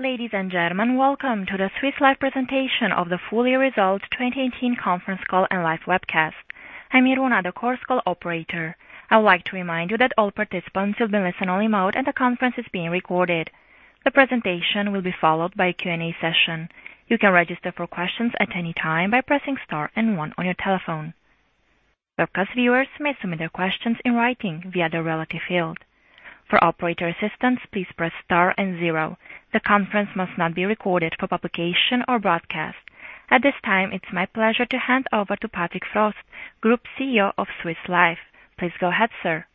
Ladies and gentlemen, welcome to the Swiss Life presentation of the full year results 2018 conference call and live webcast. I'm Iruna, the Chorus Call operator. I would like to remind you that all participants will be listen-only mode and the conference is being recorded. The presentation will be followed by a Q&A session. You can register for questions at any time by pressing star and one on your telephone. Webcast viewers may submit their questions in writing via the relative field. For operator assistance, please press star and zero. The conference must not be recorded for publication or broadcast. At this time, it's my pleasure to hand over to Patrick Frost, Group CEO of Swiss Life. Please go ahead, sir.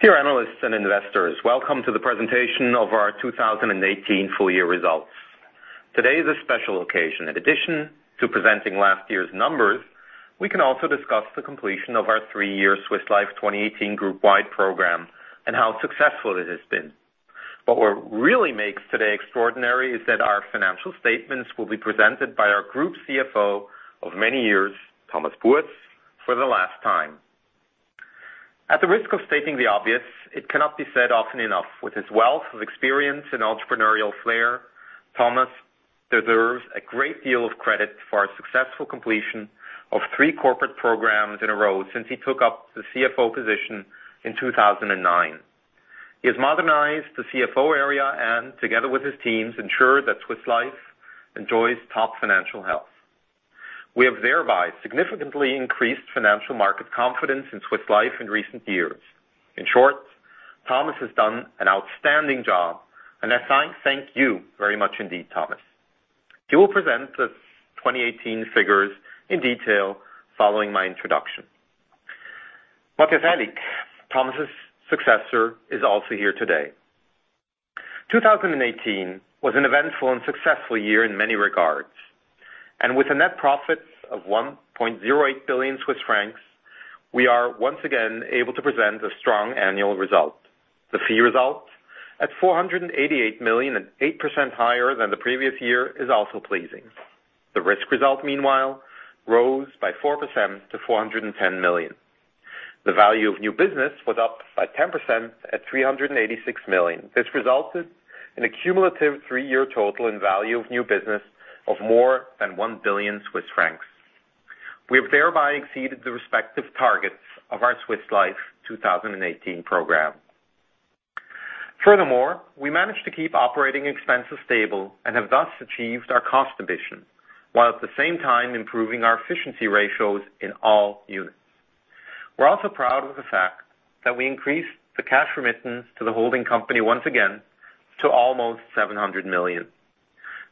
Dear analysts and investors, welcome to the presentation of our 2018 full year results. Today is a special occasion. In addition to presenting last year's numbers, we can also discuss the completion of our three-year Swiss Life 2018 group wide program and how successful it has been. What really makes today extraordinary is that our financial statements will be presented by our Group CFO of many years, Thomas Buess, for the last time. At the risk of stating the obvious, it cannot be said often enough. With his wealth of experience and entrepreneurial flair, Thomas deserves a great deal of credit for our successful completion of three corporate programs in a row since he took up the CFO position in 2009. He has modernized the CFO area and together with his teams, ensured that Swiss Life enjoys top financial health. We have thereby significantly increased financial market confidence in Swiss Life in recent years. In short, Thomas has done an outstanding job, and as such, thank you very much indeed, Thomas. He will present the 2018 figures in detail following my introduction. Matthias Aellig, Thomas's successor, is also here today. 2018 was an eventful and successful year in many regards, with a net profit of 1.08 billion Swiss francs, we are once again able to present a strong annual result. The fee result at 488 million and 8% higher than the previous year is also pleasing. The risk result, meanwhile, rose by 4% to 410 million. The value of new business was up by 10% at 386 million. This resulted in a cumulative three-year total in value of new business of more than 1 billion Swiss francs. We have thereby exceeded the respective targets of our Swiss Life 2018 program. Furthermore, we managed to keep operating expenses stable and have thus achieved our cost ambition, while at the same time improving our efficiency ratios in all units. We're also proud of the fact that we increased the cash remittance to the holding company once again to almost 700 million.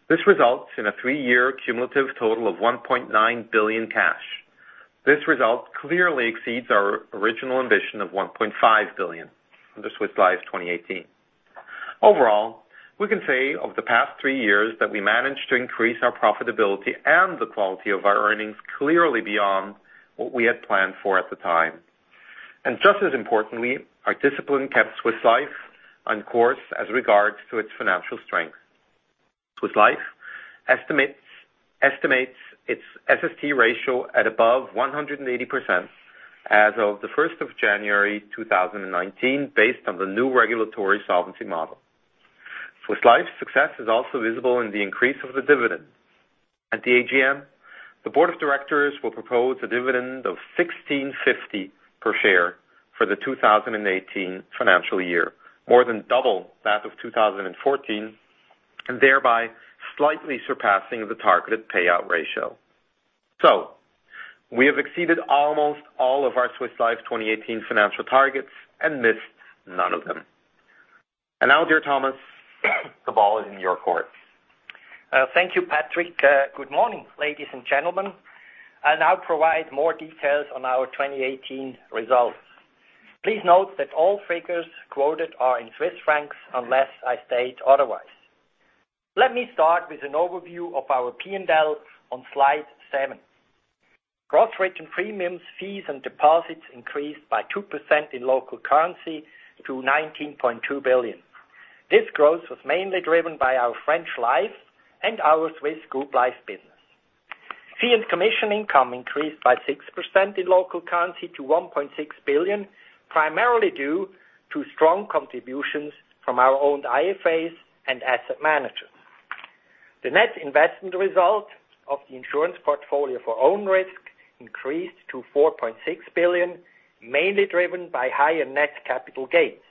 This results in a three-year cumulative total of 1.9 billion cash. This result clearly exceeds our original ambition of 1.5 billion under Swiss Life 2018. Overall, we can say over the past three years that we managed to increase our profitability and the quality of our earnings clearly beyond what we had planned for at the time. Just as importantly, our discipline kept Swiss Life on course as regards to its financial strength. Swiss Life estimates its SST ratio at above 180% as of the 1st of January 2019, based on the new regulatory solvency model. Swiss Life's success is also visible in the increase of the dividend. At the AGM, the board of directors will propose a dividend of 16.50 per share for the 2018 financial year, more than double that of 2014, thereby slightly surpassing the targeted payout ratio. We have exceeded almost all of our Swiss Life 2018 financial targets and missed none of them. Now, dear Thomas, the ball is in your court. Thank you, Patrick. Good morning, ladies and gentlemen. I'll now provide more details on our 2018 results. Please note that all figures quoted are in CHF unless I state otherwise. Let me start with an overview of our P&L on slide seven. Gross written premiums, fees, and deposits increased by 2% in local currency to 19.2 billion. This growth was mainly driven by our French Life and our Swiss Group Life business. Fee and commission income increased by 6% in local currency to 1.6 billion, primarily due to strong contributions from our own IFAs and asset managers. The net investment result of the insurance portfolio for own risk increased to 4.6 billion, mainly driven by higher net capital gains.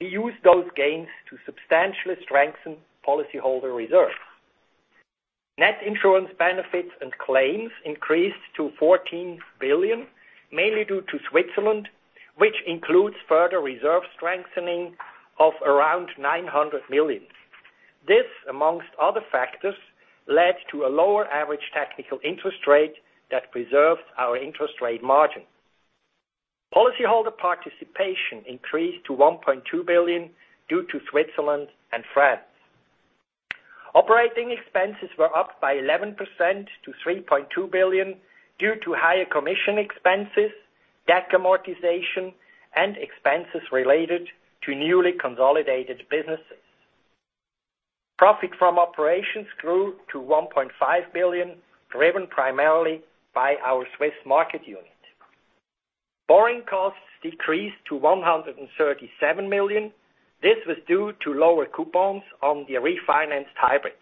We used those gains to substantially strengthen policyholder reserves. Net insurance benefits and claims increased to 14 billion, mainly due to Switzerland, which includes further reserve strengthening of around 900 million. This, amongst other factors, led to a lower average technical interest rate that preserved our interest rate margin. Policyholder participation increased to 1.2 billion due to Switzerland and France. Operating expenses were up by 11% to 3.2 billion due to higher commission expenses, DAC amortization, and expenses related to newly consolidated businesses. Profit from operations grew to 1.5 billion, driven primarily by our Swiss market unit. Borrowing costs decreased to 137 million. This was due to lower coupons on the refinanced hybrids.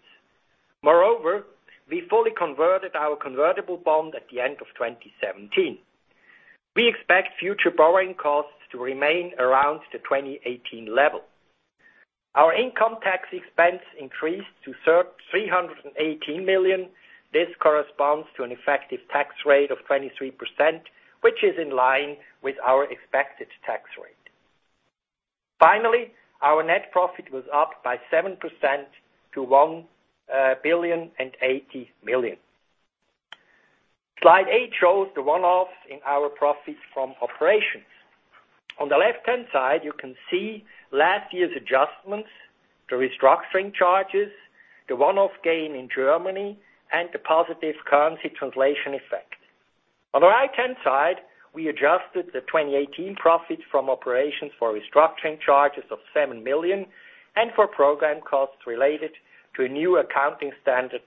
We fully converted our convertible bond at the end of 2017. We expect future borrowing costs to remain around the 2018 level. Our income tax expense increased to 318 million. This corresponds to an effective tax rate of 23%, which is in line with our expected tax rate. Our net profit was up by 7% to 1,080,000,000. Slide eight shows the one-offs in our profits from operations. On the left-hand side, you can see last year's adjustments, the restructuring charges, the one-off gain in Germany, and the positive currency translation effect. On the right-hand side, we adjusted the 2018 profits from operations for restructuring charges of 7 million and for program costs related to a new accounting standard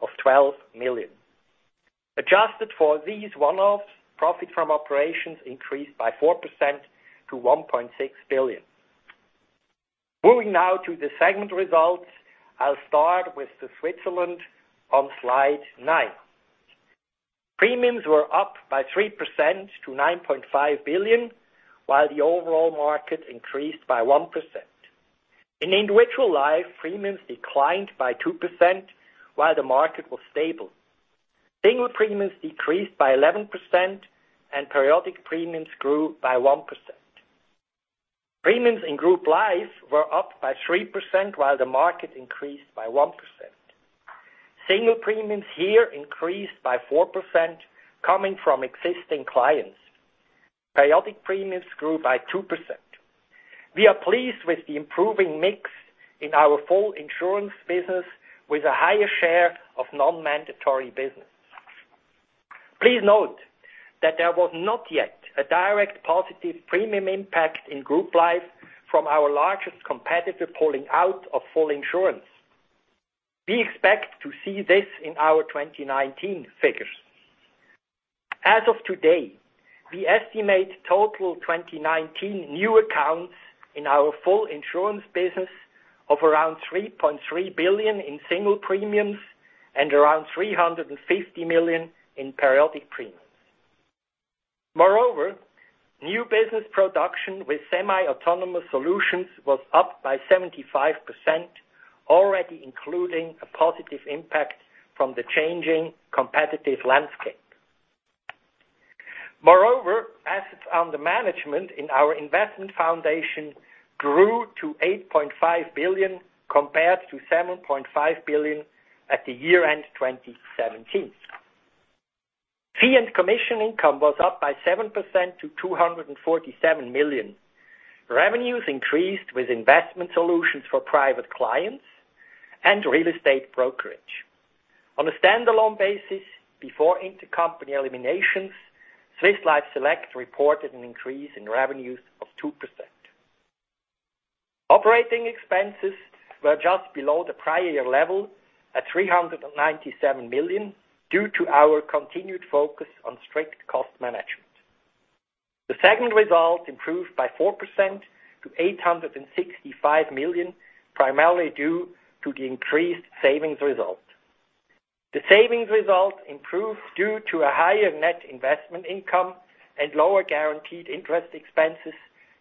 of 12 million. Adjusted for these one-offs, profit from operations increased by 4% to 1.6 billion. Moving now to the segment results. I'll start with the Switzerland on slide nine. Premiums were up by 3% to 9.5 billion, while the overall market increased by 1%. In individual life, premiums declined by 2% while the market was stable. Single premiums decreased by 11% and periodic premiums grew by 1%. Premiums in group life were up by 3%, while the market increased by 1%. Single premiums here increased by 4%, coming from existing clients. Periodic premiums grew by 2%. We are pleased with the improving mix in our full insurance business with a higher share of non-mandatory business. Please note that there was not yet a direct positive premium impact in group life from our largest competitor pulling out of full insurance. We expect to see this in our 2019 figures. As of today, we estimate total 2019 new accounts in our full insurance business of around 3.3 billion in single premiums and around 350 million in periodic premiums. Moreover, new business production with semi-autonomous solutions was up by 75%, already including a positive impact from the changing competitive landscape. Moreover, assets under management in our investment foundation grew to 8.5 billion compared to 7.5 billion at the year-end 2017. Fee and commission income was up by 7% to 247 million. Revenues increased with investment solutions for private clients and real estate brokerage. On a standalone basis before intercompany eliminations, Swiss Life Select reported an increase in revenues of 2%. Operating expenses were just below the prior year level at 397 million due to our continued focus on strict cost management. The segment results improved by 4% to 865 million, primarily due to the increased savings result. The savings result improved due to a higher net investment income and lower guaranteed interest expenses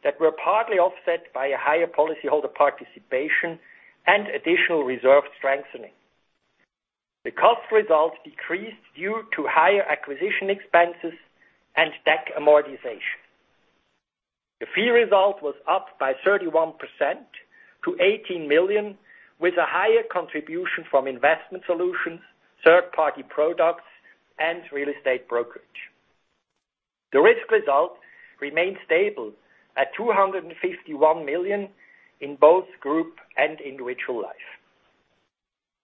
that were partly offset by a higher policyholder participation and additional reserve strengthening. The cost result decreased due to higher acquisition expenses and DAC amortization. The fee result was up by 31% to 18 million, with a higher contribution from investment solutions, third-party products, and real estate brokerage. The risk result remained stable at 251 million in both group and individual life.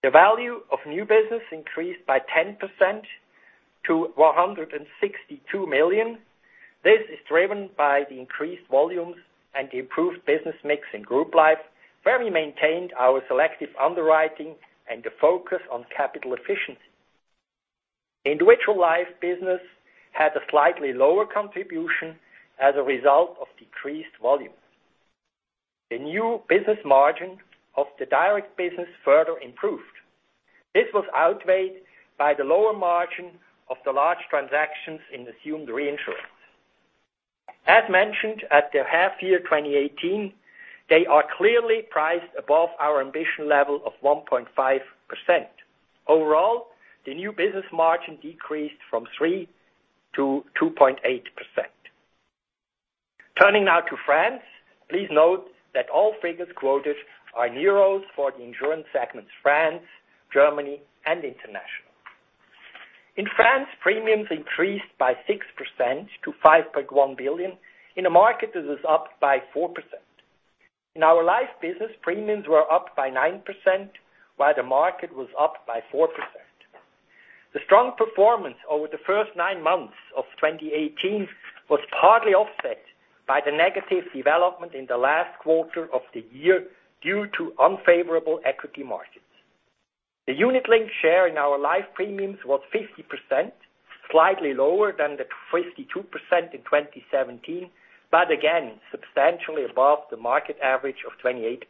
The value of new business increased by 10% to 162 million. This is driven by the increased volumes and the improved business mix in group life, where we maintained our selective underwriting and the focus on capital efficiency. Individual life business had a slightly lower contribution as a result of decreased volume. The new business margin of the direct business further improved. This was outweighed by the lower margin of the large transactions in assumed reinsurance. As mentioned at the half year 2018, they are clearly priced above our ambition level of 1.5%. Overall, the new business margin decreased from 3% to 2.8%. Turning now to France. Please note that all figures quoted are in euros for the insurance segments France, Germany, and International. In France, premiums increased by 6% to 5.1 billion in a market that was up by 4%. In our life business, premiums were up by 9%, while the market was up by 4%. The strong performance over the first nine months of 2018 was partly offset by the negative development in the last quarter of the year due to unfavorable equity markets. The unit-linked share in our life premiums was 50%, slightly lower than the 52% in 2017, but again, substantially above the market average of 28%.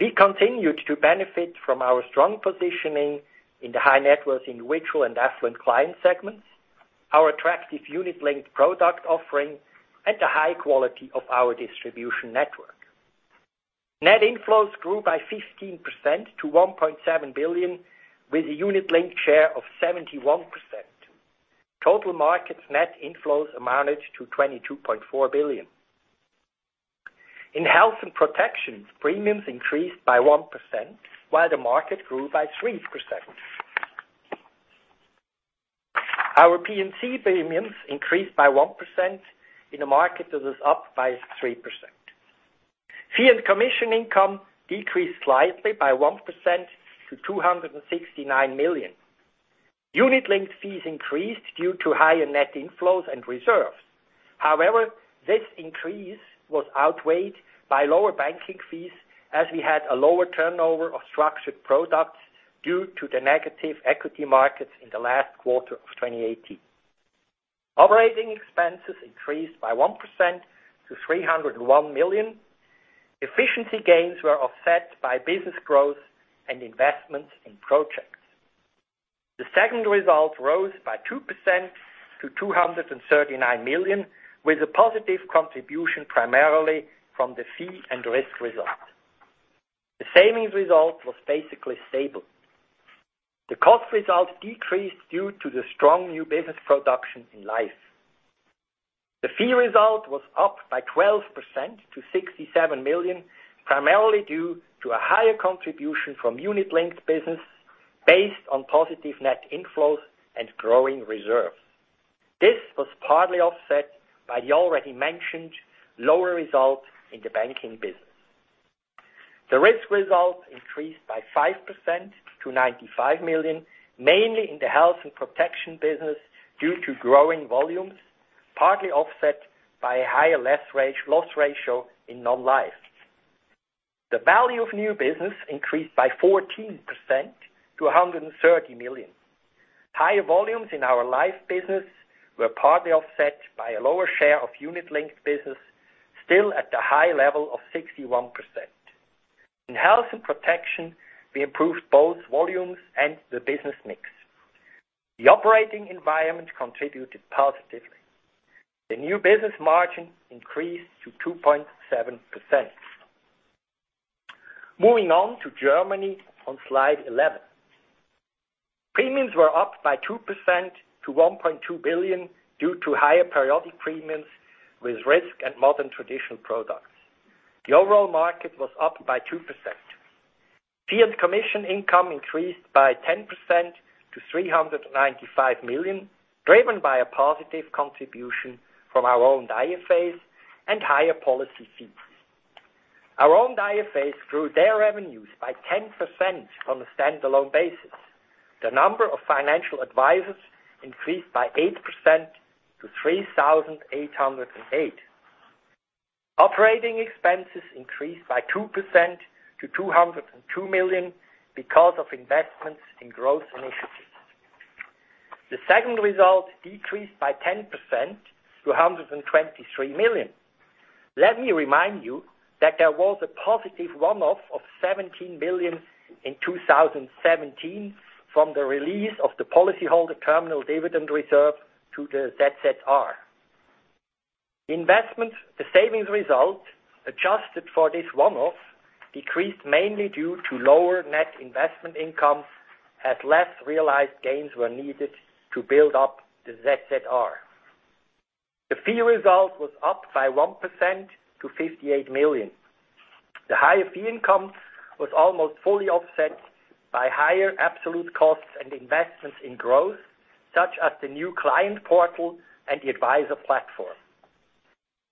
We continued to benefit from our strong positioning in the high-net-worth individual and affluent client segments, our attractive unit-linked product offering, and the high quality of our distribution network. Net inflows grew by 15% to 1.7 billion, with a unit-linked share of 71%. Total market net inflows amounted to 22.4 billion. In health and protection, premiums increased by 1%, while the market grew by 3%. Our P&C premiums increased by 1% in a market that was up by 3%. Fee and commission income decreased slightly by 1% to 269 million. Unit-linked fees increased due to higher net inflows and reserves. This increase was outweighed by lower banking fees as we had a lower turnover of structured products due to the negative equity markets in the last quarter of 2018. Operating expenses increased by 1% to 301 million. Efficiency gains were offset by business growth and investments in projects. The segment result rose by 2% to 239 million, with a positive contribution primarily from the fee and risk result. The savings result was basically stable. The cost result decreased due to the strong new business production in Life. The fee result was up by 12% to 67 million, primarily due to a higher contribution from unit-linked business based on positive net inflows and growing reserves. This was partly offset by the already mentioned lower result in the banking business. The risk result increased by 5% to 95 million, mainly in the health and protection business due to growing volumes, partly offset by a higher loss ratio in non-life. The value of new business increased by 14% to 130 million. Higher volumes in our Life business were partly offset by a lower share of unit-linked business, still at the high level of 61%. In health and protection, we improved both volumes and the business mix. The operating environment contributed positively. The new business margin increased to 2.7%. Moving on to Germany on slide 11. Premiums were up by 2% to 1.2 billion due to higher periodic premiums with risk and modern traditional products. The overall market was up by 2%. Fee and commission income increased by 10% to 395 million, driven by a positive contribution from our owned IFAs and higher policy fees. Our owned IFAs grew their revenues by 10% on a standalone basis. The number of financial advisors increased by 8% to 3,808. Operating expenses increased by 2% to 202 million because of investments in growth initiatives. The segment result decreased by 10% to 123 million. Let me remind you that there was a positive one-off of 17 million in 2017 from the release of the policyholder terminal dividend reserve to the ZZR. The savings result, adjusted for this one-off, decreased mainly due to lower net investment income, as less realized gains were needed to build up the ZZR. The fee result was up by 1% to 58 million. The higher fee income was almost fully offset by higher absolute costs and investments in growth, such as the new client portal and the advisor platform.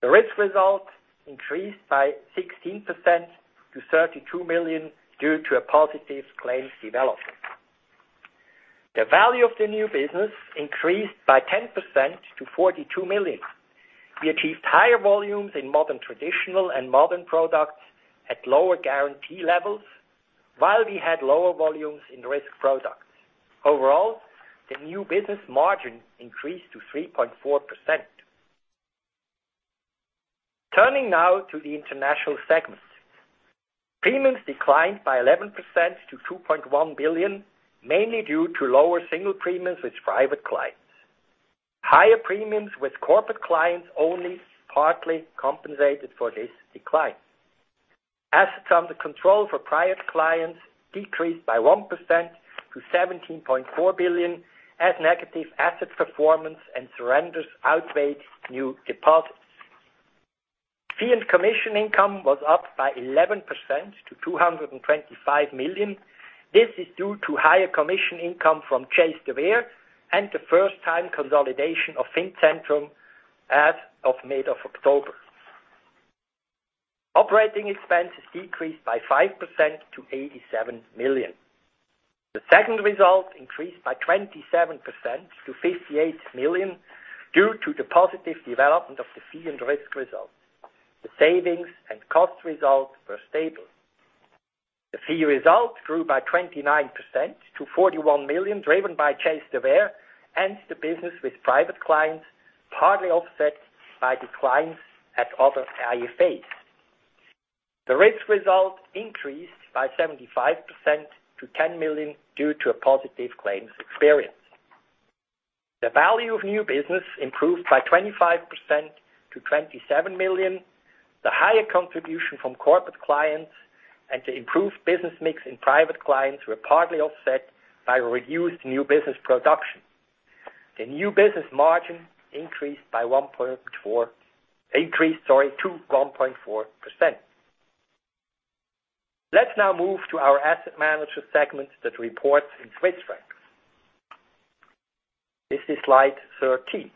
The risk result increased by 16% to 32 million due to a positive claims development. The value of the new business increased by 10% to 42 million. We achieved higher volumes in modern traditional and modern products at lower guarantee levels, while we had lower volumes in risk products. Overall, the new business margin increased to 3.4%. Turning now to the international segment. Premiums declined by 11% to 2.1 billion, mainly due to lower single premiums with private clients. Higher premiums with corporate clients only partly compensated for this decline. Assets under control for private clients decreased by 1% to 17.4 billion as negative asset performance and surrenders outweighed new deposits. Fee and commission income was up by 11% to 225 million. This is due to higher commission income from Chase de Vere and the first-time consolidation of Fincentrum as of mid-October. Operating expenses decreased by 5% to 87 million. The second result increased by 27% to 58 million, due to the positive development of the fee and risk result. The savings and cost result were stable. The fee result grew by 29% to 41 million, driven by Chase de Vere and the business with private clients, partly offset by declines at other IFAs. The risk result increased by 75% to 10 million due to a positive claims experience. The value of new business improved by 25% to 27 million. The higher contribution from corporate clients and the improved business mix in private clients were partly offset by reduced new business production. The new business margin increased to 1.4%. Let's now move to our asset manager segment that reports in Swiss francs. This is slide 13.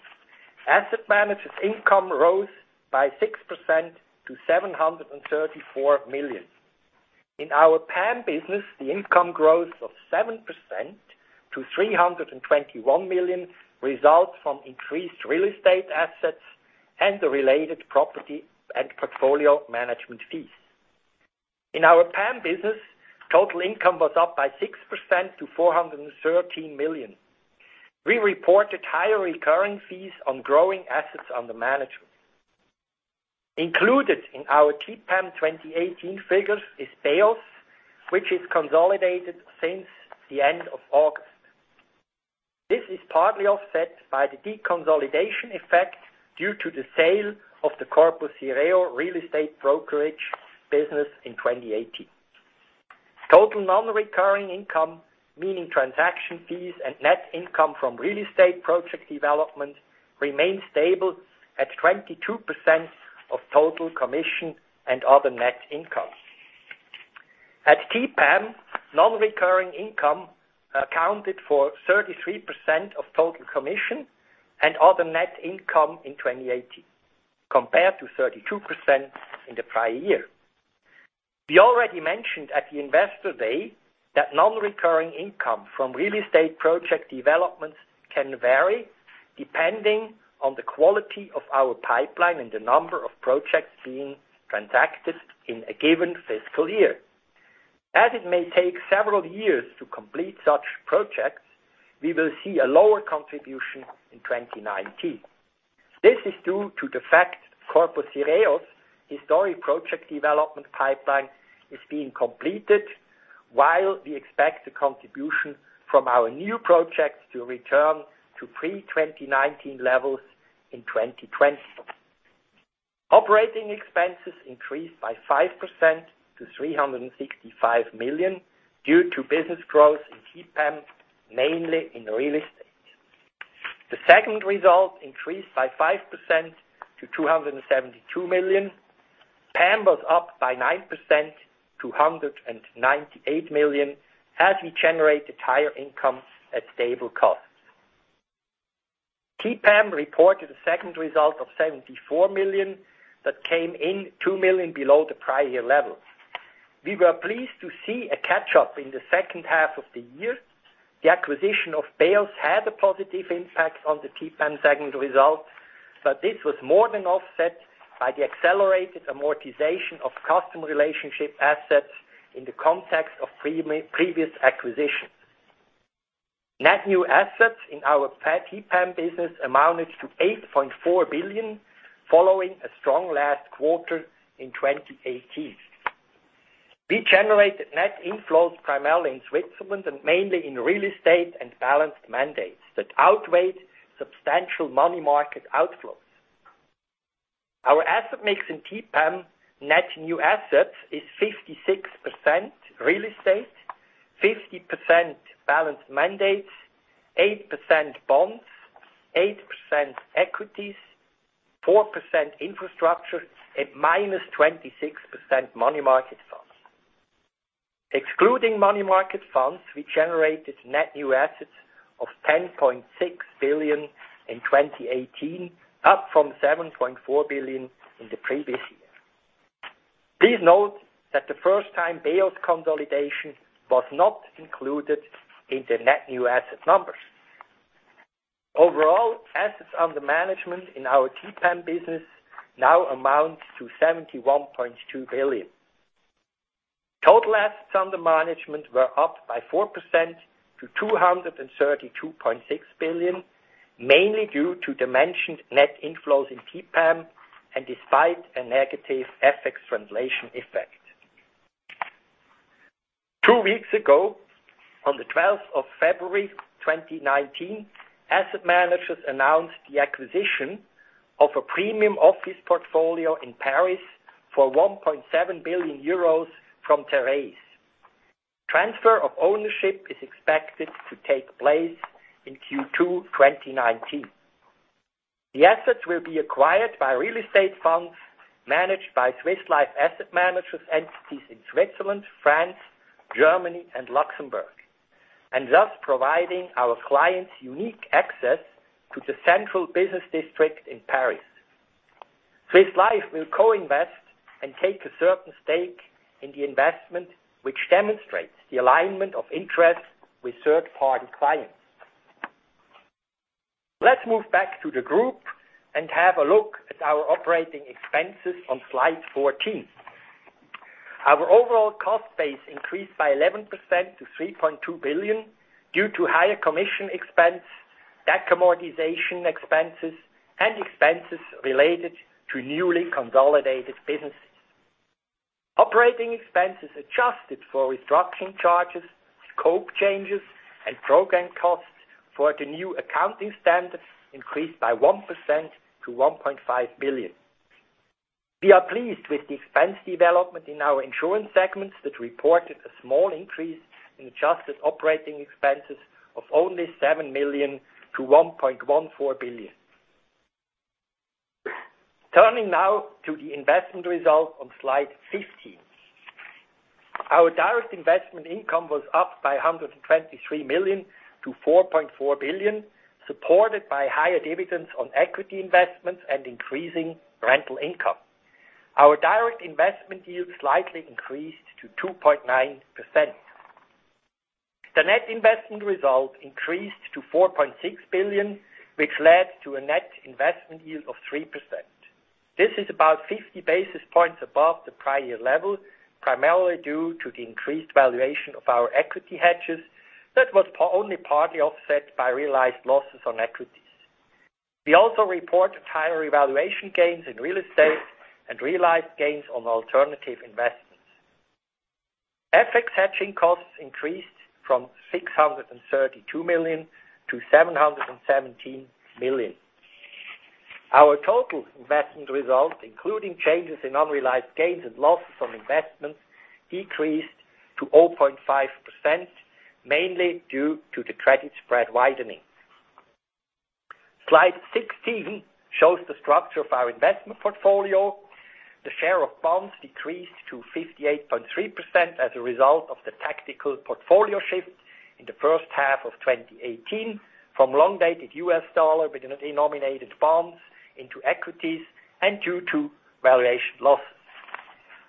Asset managers income rose by 6% to 734 million. In our PAM business, the income growth of 7% to 321 million results from increased real estate assets and the related property and portfolio management fees. In our PAM business, total income was up by 6% to 413 million. We reported higher recurring fees on growing assets under management. Included in our TPAM 2018 figures is Bâloise, which is consolidated since the end of August. This is partly offset by the deconsolidation effect due to the sale of the Corpus Sireo real estate brokerage business in 2018. Total non-recurring income, meaning transaction fees and net income from real estate project development, remained stable at 22% of total commission and other net income. At key PAM, non-recurring income accounted for 33% of total commission and other net income in 2018, compared to 32% in the prior year. We already mentioned at the investor day that non-recurring income from real estate project developments can vary, depending on the quality of our pipeline and the number of projects being transacted in a given fiscal year. As it may take several years to complete such projects, we will see a lower contribution in 2019. This is due to the fact Corpus Sireo's historic project development pipeline is being completed, while we expect a contribution from our new projects to return to pre-2019 levels in 2020. Operating expenses increased by 5% to 365 million due to business growth in key PAM, mainly in real estate. The segment result increased by 5% to 272 million. PAM was up by 9% to 198 million, as we generated higher income at stable costs. Key PAM reported a segment result of 74 million. That came in 2 million below the prior year level. We were pleased to see a catch-up in the second half of the year. The acquisition of Bâloise had a positive impact on the key PAM segment result, but this was more than offset by the accelerated amortization of customer relationship assets in the context of previous acquisitions. Net new assets in our key PAM business amounted to 8.4 billion, following a strong last quarter in 2018. We generated net inflows primarily in Switzerland, and mainly in real estate and balanced mandates that outweighed substantial money market outflows. Our asset mix in key PAM net new assets is 56% real estate, 50% balanced mandates, 8% bonds, 8% equities, 4% infrastructure, and minus 26% money market funds. Excluding money market funds, we generated net new assets of 10.6 billion in 2018, up from 7.4 billion in the previous year. Please note that the first time Bâloise consolidation was not included in the net new asset numbers. Overall, assets under management in our key PAM business now amount to 71.2 billion. Total assets under management were up by 4% to 232.6 billion, mainly due to the mentioned net inflows in key PAM and despite a negative FX translation effect. Two weeks ago, on the 12th of February 2019, asset managers announced the acquisition of a premium office portfolio in Paris for 1.7 billion euros from Terreïs. Transfer of ownership is expected to take place in Q2 2019. The assets will be acquired by real estate funds managed by Swiss Life Asset Managers entities in Switzerland, France, Germany, and Luxembourg. Thus providing our clients unique access to the central business district in Paris. Swiss Life will co-invest and take a certain stake in the investment, which demonstrates the alignment of interest with third-party clients. Let's move back to the group and have a look at our operating expenses on slide 14. Our overall cost base increased by 11% to 3.2 billion due to higher commission expense, DAC amortization expenses, and expenses related to newly consolidated businesses. Operating expenses adjusted for restructuring charges, scope changes, and program costs for the new accounting standard increased by 1% to 1.5 billion. We are pleased with the expense development in our insurance segments that reported a small increase in adjusted operating expenses of only 7 million to 1.14 billion. Turning now to the investment result on slide 15. Our direct investment income was up by 123 million to 4.4 billion, supported by higher dividends on equity investments and increasing rental income. Our direct investment yield slightly increased to 2.9%. The net investment result increased to 4.6 billion, which led to a net investment yield of 3%. This is about 50 basis points above the prior year level, primarily due to the increased valuation of our equity hedges that was only partly offset by realized losses on equities. We also reported higher revaluation gains in real estate and realized gains on alternative investments. FX hedging costs increased from 632 million to 717 million. Our total investment result, including changes in unrealized gains and losses from investments, decreased to 0.5%, mainly due to the credit spread widening. Slide 16 shows the structure of our investment portfolio. The share of bonds decreased to 58.3% as a result of the tactical portfolio shift in the first half of 2018 from long-dated U.S. dollar denominated bonds into equities and due to valuation losses.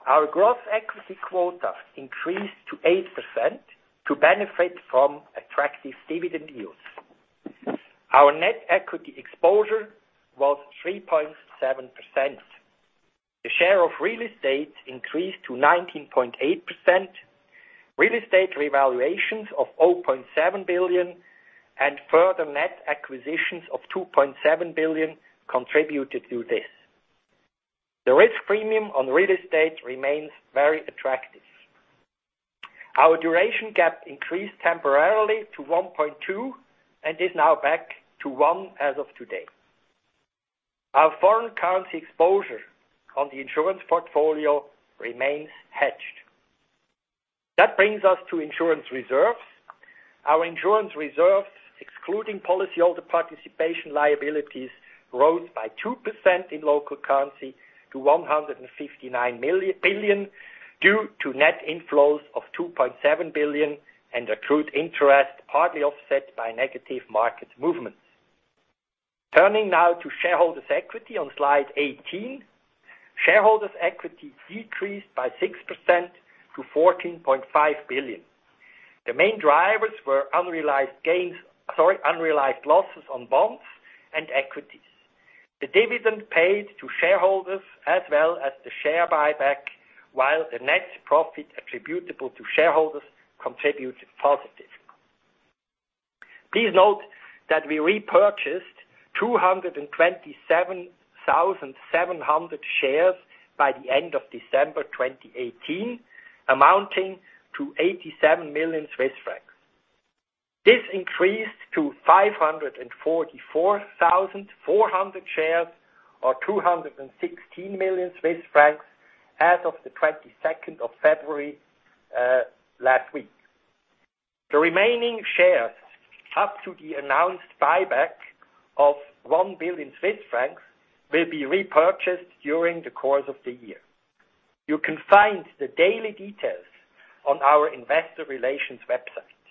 Our gross equity quota increased to 8% to benefit from attractive dividend yields. Our net equity exposure was 3.7%. The share of real estate increased to 19.8%. Real estate revaluations of 0.7 billion and further net acquisitions of 2.7 billion contributed to this. The risk premium on real estate remains very attractive. Our duration gap increased temporarily to 1.2 and is now back to one as of today. Our foreign currency exposure on the insurance portfolio remains hedged. That brings us to insurance reserves. Our insurance reserves, excluding policyholder participation liabilities, rose by 2% in local currency to 159 billion due to net inflows of 2.7 billion and accrued interest, partly offset by negative market movements. Turning now to shareholders' equity on slide 18. Shareholders' equity decreased by 6% to 14.5 billion. The main drivers were unrealized losses on bonds and equities. The dividend paid to shareholders as well as the share buyback, while the net profit attributable to shareholders, contributed positively. Please note that we repurchased 227,700 shares by the end of December 2018, amounting to 87 million Swiss francs. This increased to 544,400 shares or 216 million Swiss francs as of the 22nd of February, last week. The remaining shares up to the announced buyback of 1 billion Swiss francs will be repurchased during the course of the year. You can find the daily details on our investor relations website.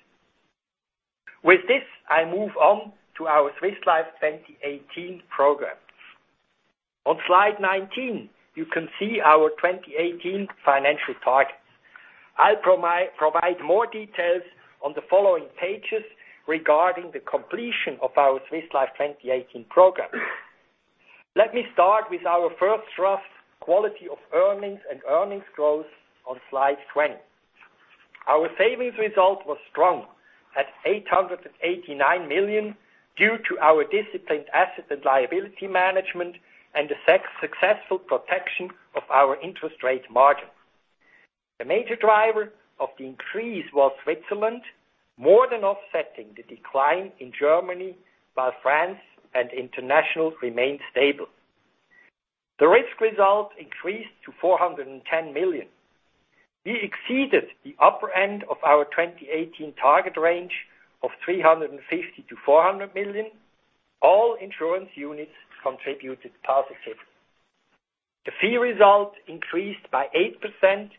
With this, I move on to our Swiss Life 2018 programs. On slide 19, you can see our 2018 financial targets. I'll provide more details on the following pages regarding the completion of our Swiss Life 2018 program. Let me start with our first trust, quality of earnings and earnings growth on slide 20. Our savings result was strong at 889 million due to our disciplined asset and liability management and the successful protection of our interest rate margin. The major driver of the increase was Switzerland, more than offsetting the decline in Germany, while France and international remained stable. The risk result increased to 410 million. We exceeded the upper end of our 2018 target range of 350 million to 400 million. All insurance units contributed positively. The fee result increased by 8%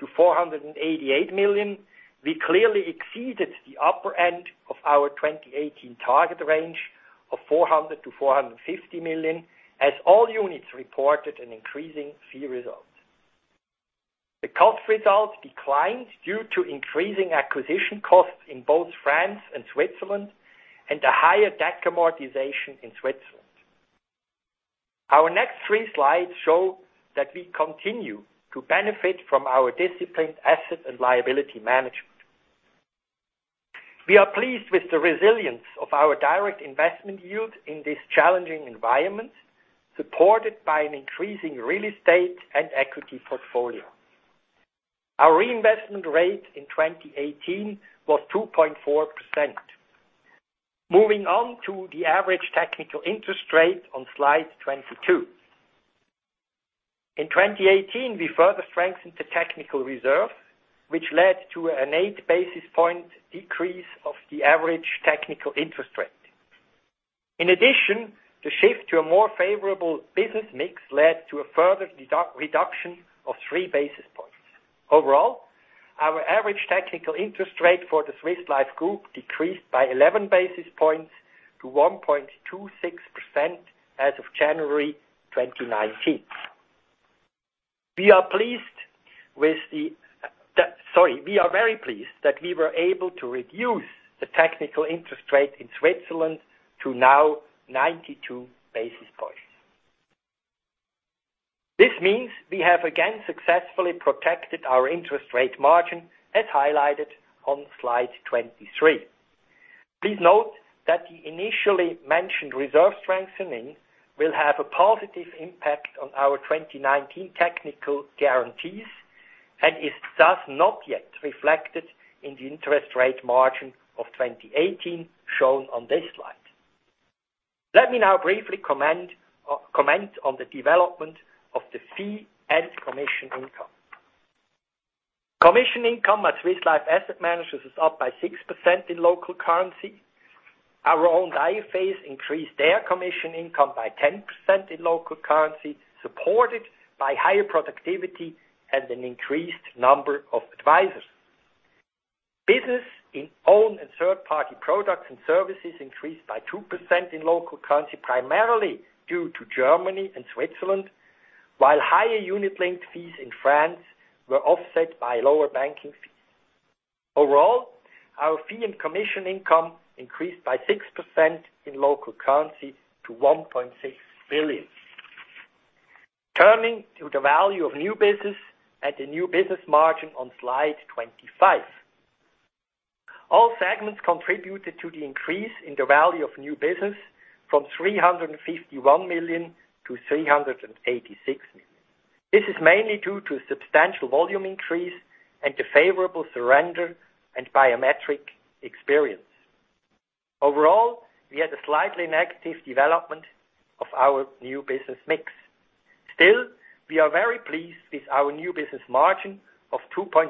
to 488 million. We clearly exceeded the upper end of our 2018 target range of 400 million to 450 million, as all units reported an increasing fee result. The cost result declined due to increasing acquisition costs in both France and Switzerland, and a higher DAC amortization in Switzerland. Our next three slides show that we continue to benefit from our disciplined asset and liability management. We are pleased with the resilience of our direct investment yield in this challenging environment, supported by an increasing real estate and equity portfolio. Our reinvestment rate in 2018 was 2.4%. Moving on to the average technical interest rate on slide 22. In 2018, we further strengthened the technical reserve, which led to an eight basis point decrease of the average technical interest rate. In addition, the shift to a more favorable business mix led to a further reduction of three basis points. Overall, our average technical interest rate for the Swiss Life Group decreased by 11 basis points to 1.26% as of January 2019. We are very pleased that we were able to reduce the technical interest rate in Switzerland to now 92 basis points. This means we have again successfully protected our interest rate margin, as highlighted on slide 23. Please note that the initially mentioned reserve strengthening will have a positive impact on our 2019 technical guarantees, and is thus not yet reflected in the interest rate margin of 2018 shown on this slide. Let me now briefly comment on the development of the fee and commission income. Commission income at Swiss Life Asset Managers is up by 6% in local currency. Our own IFAs increased their commission income by 10% in local currency, supported by higher productivity and an increased number of advisors. Business in own and third-party products and services increased by 2% in local currency, primarily due to Germany and Switzerland. While higher unit-linked fees in France were offset by lower banking fees. Overall, our fee and commission income increased by 6% in local currency to 1.6 billion. Turning to the value of new business at the new business margin on slide 25. All segments contributed to the increase in the value of new business from 351 million to 386 million. This is mainly due to substantial volume increase and the favorable surrender and biometric experience. Overall, we had a slightly negative development of our new business mix. Still, we are very pleased with our new business margin of 2.6%,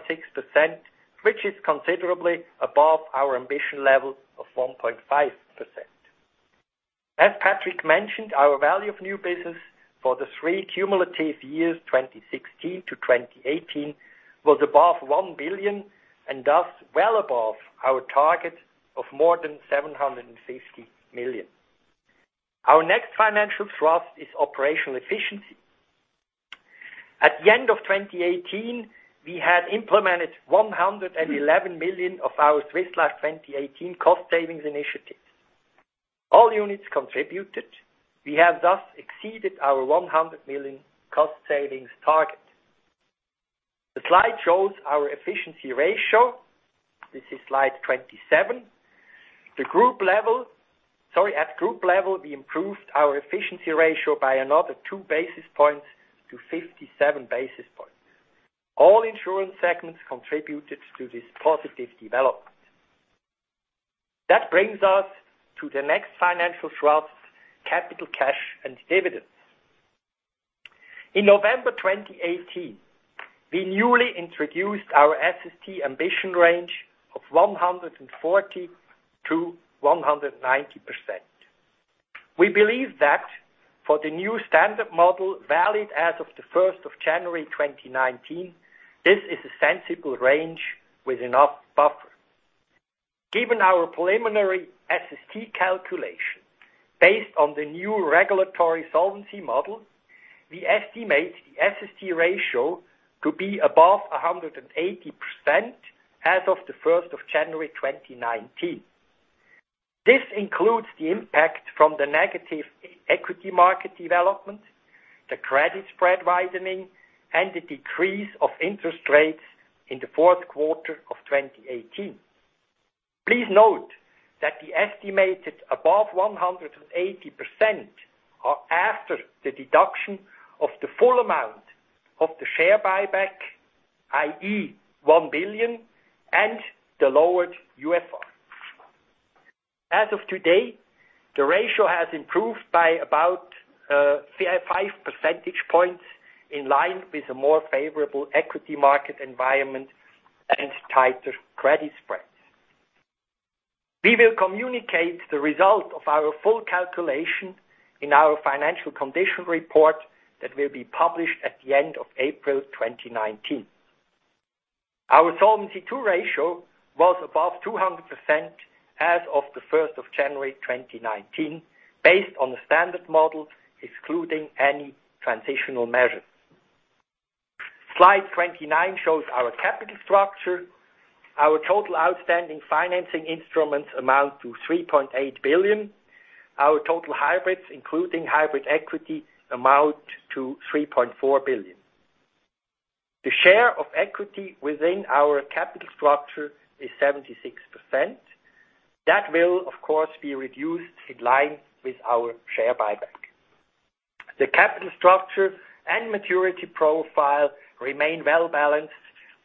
which is considerably above our ambition level of 1.5%. As Patrick mentioned, our value of new business for the three cumulative years, 2016 to 2018, was above 1 billion, and thus, well above our target of more than 750 million. Our next financial thrust is operational efficiency. At the end of 2018, we had implemented 111 million of our Swiss Life 2018 cost savings initiatives. All units contributed. We have thus exceeded our 100 million cost savings target. The slide shows our efficiency ratio. This is slide 27. At group level, we improved our efficiency ratio by another two basis points to 57 basis points. All insurance segments contributed to this positive development. That brings us to the next financial thrust, capital cash and dividends. In November 2018, we newly introduced our SST ambition range of 140%-190%. We believe that for the new standard model valid as of the 1st of January 2019, this is a sensible range with enough buffer. Given our preliminary SST calculation, based on the new regulatory solvency model, we estimate the SST ratio to be above 180% as of the 1st of January 2019. This includes the impact from the negative equity market development, the credit spread widening, and the decrease of interest rates in the fourth quarter of 2018. Please note that the estimated above 180% are after the deduction of the full amount of the share buyback, i.e. 1 billion and the lowered UFR. As of today, the ratio has improved by about five percentage points in line with a more favorable equity market environment and tighter credit spreads. We will communicate the result of our full calculation in our financial condition report that will be published at the end of April 2019. Our Solvency II ratio was above 200% as of the 1st of January 2019, based on the standard model, excluding any transitional measure. Slide 29 shows our capital structure. Our total outstanding financing instruments amount to 3.8 billion. Our total hybrids, including hybrid equity, amount to 3.4 billion. The share of equity within our capital structure is 76%. That will, of course, be reduced in line with our share buyback. The capital structure and maturity profile remain well-balanced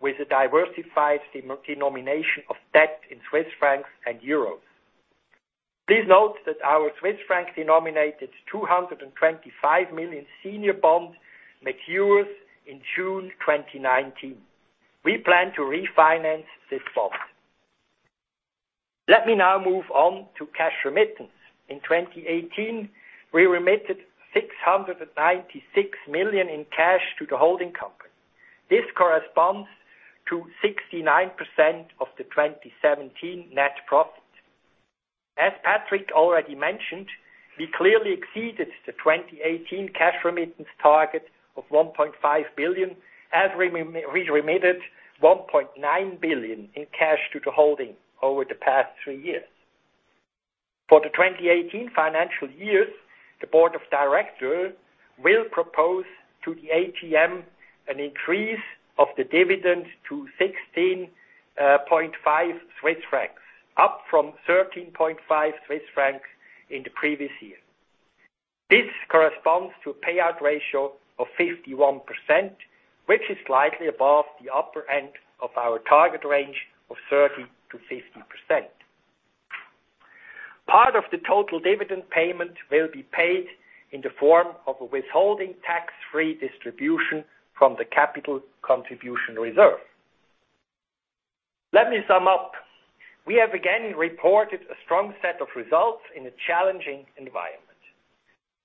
with a diversified denomination of debt in Swiss francs and euros. Please note that our Swiss franc-denominated 225 million senior bond matures in June 2019. We plan to refinance this bond. Let me now move on to cash remittance. In 2018, we remitted 696 million in cash to the holding company. This corresponds to 69% of the 2017 net profit. As Patrick already mentioned, we clearly exceeded the 2018 cash remittance target of 1.5 billion as we remitted 1.9 billion in cash to the holding over the past three years. For the 2018 financial years, the board of directors will propose to the AGM an increase of the dividend to 16.5 Swiss francs, up from 13.5 Swiss francs in the previous year. This corresponds to a payout ratio of 51%, which is slightly above the upper end of our target range of 30%-50%. Part of the total dividend payment will be paid in the form of a withholding tax-free distribution from the capital contribution reserve. Let me sum up. We have again reported a strong set of results in a challenging environment.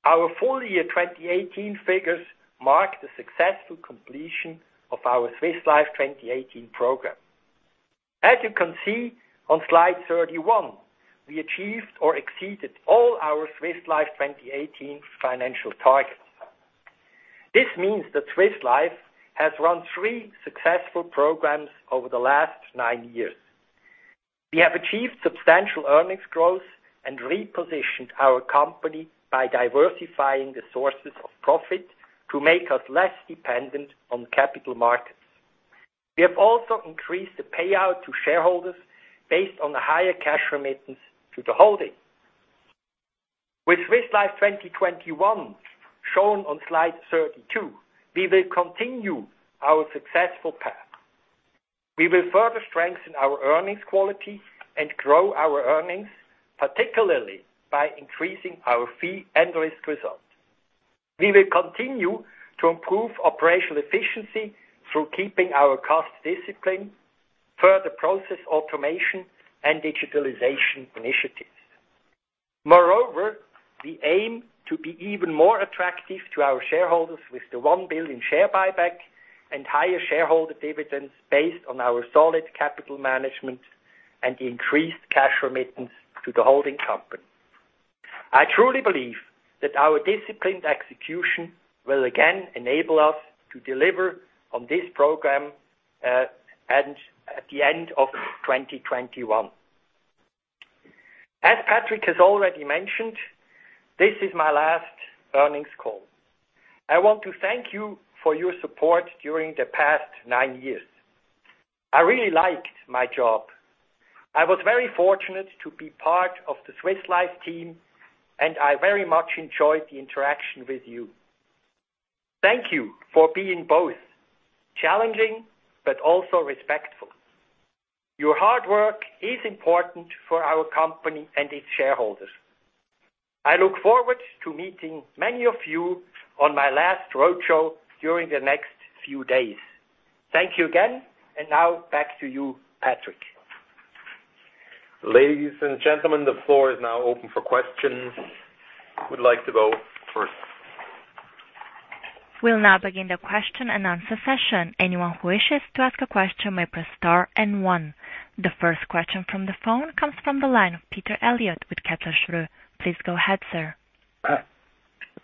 Our full year 2018 figures mark the successful completion of our Swiss Life 2018 program. As you can see on slide 31, we achieved or exceeded all our Swiss Life 2018 financial targets. This means that Swiss Life has run three successful programs over the last nine years. We have achieved substantial earnings growth and repositioned our company by diversifying the sources of profit to make us less dependent on capital markets. We have also increased the payout to shareholders based on the higher cash remittance to the holding. With Swiss Life 2021 shown on slide 32, we will continue our successful path. We will further strengthen our earnings quality and grow our earnings, particularly by increasing our fee and risk results. We will continue to improve operational efficiency through keeping our cost discipline, further process automation, and digitalization initiatives. Moreover, we aim to be even more attractive to our shareholders with the 1 billion share buyback and higher shareholder dividends based on our solid capital management and the increased cash remittance to the holding company. I truly believe that our disciplined execution will again enable us to deliver on this program at the end of 2021. As Patrick has already mentioned, this is my last earnings call. I want to thank you for your support during the past nine years. I really liked my job. I was very fortunate to be part of the Swiss Life team, and I very much enjoyed the interaction with you. Thank you for being both challenging but also respectful. Your hard work is important for our company and its shareholders. I look forward to meeting many of you on my last roadshow during the next few days. Thank you again. Now back to you, Patrick. Ladies and gentlemen, the floor is now open for questions. Who would like to go first? We'll now begin the question and answer session. Anyone who wishes to ask a question may press star and one. The first question from the phone comes from the line of Peter Eliot with Kepler Cheuvreux. Please go ahead, sir.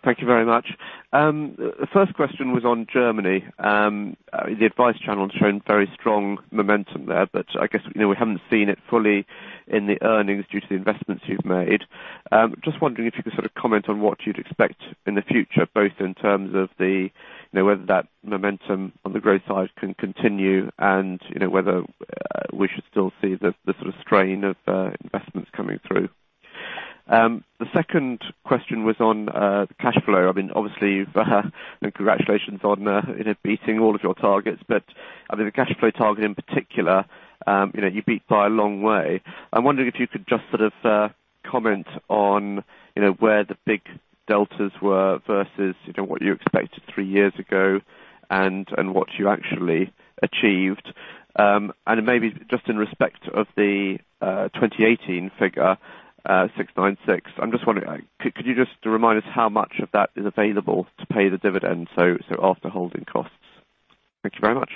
Thank you very much. The first question was on Germany. The advice channel has shown very strong momentum there, but I guess we haven't seen it fully in the earnings due to the investments you've made. Just wondering if you could sort of comment on what you'd expect in the future, both in terms of whether that momentum on the growth side can continue and whether we should still see the sort of strain of investments coming through. The second question was on cash flow. Obviously, congratulations on beating all of your targets. The cash flow target in particular, you beat by a long way. I'm wondering if you could just sort of comment on where the big deltas were versus what you expected three years ago and what you actually achieved. And maybe just in respect of the 2018 figure, 696. I'm just wondering, could you just remind us how much of that is available to pay the dividend, so after holding costs? Thank you very much.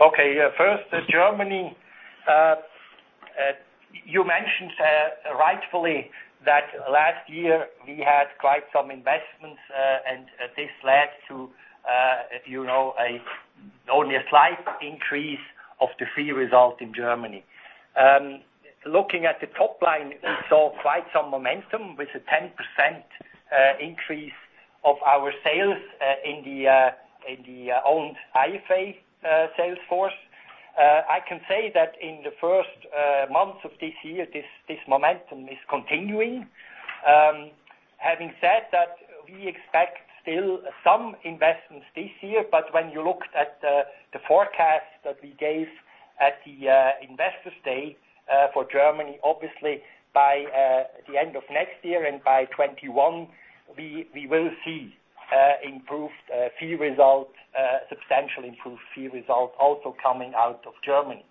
Okay. First, Germany. You mentioned rightfully that last year we had quite some investments. This led to only a slight increase of the fee result in Germany. Looking at the top line, we saw quite some momentum with a 10% increase of our sales in the owned IFA sales force. I can say that in the first months of this year, this momentum is continuing. Having said that, we expect still some investments this year. When you looked at the forecast that we gave at the Investors' Day for Germany, obviously by the end of next year and by 2021, we will see substantially improved fee results also coming out of Germany.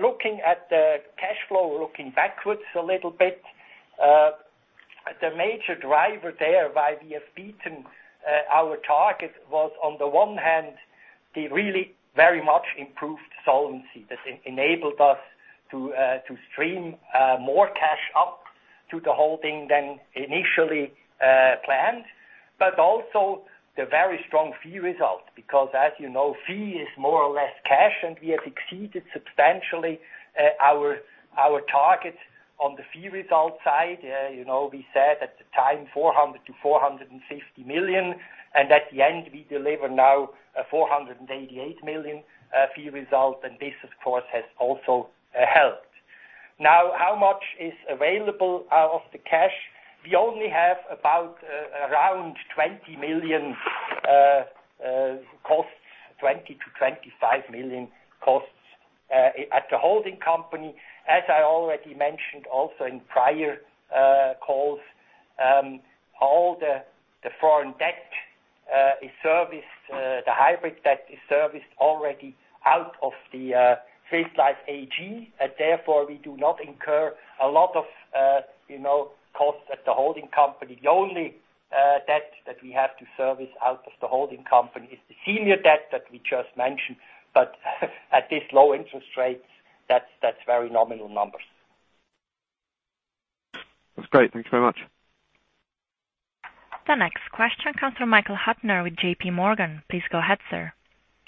Looking at the cash flow, looking backwards a little bit. The major driver there why we have beaten our target was on the one hand, the really very much improved solvency that enabled us to stream more cash up to the holding than initially planned, but also the very strong fee result. As you know, fee is more or less cash, we have exceeded substantially our target on the fee result side. We said at the time, 400 million to 450 million, at the end, we deliver now a 488 million fee result, this, of course, has also helped. How much is available out of the cash? We only have about around 20 million costs, 20 million to 25 million costs at the holding company. As I already mentioned also in prior calls, all the foreign debt is serviced, the hybrid debt is serviced already out of the Swiss Life AG. We do not incur a lot of costs at the holding company. The only debt that we have to service out of the holding company is the senior debt that we just mentioned. At this low interest rate, that's very nominal numbers. That's great. Thank you very much. The next question comes from Michael Huttner with J.P. Morgan. Please go ahead, sir.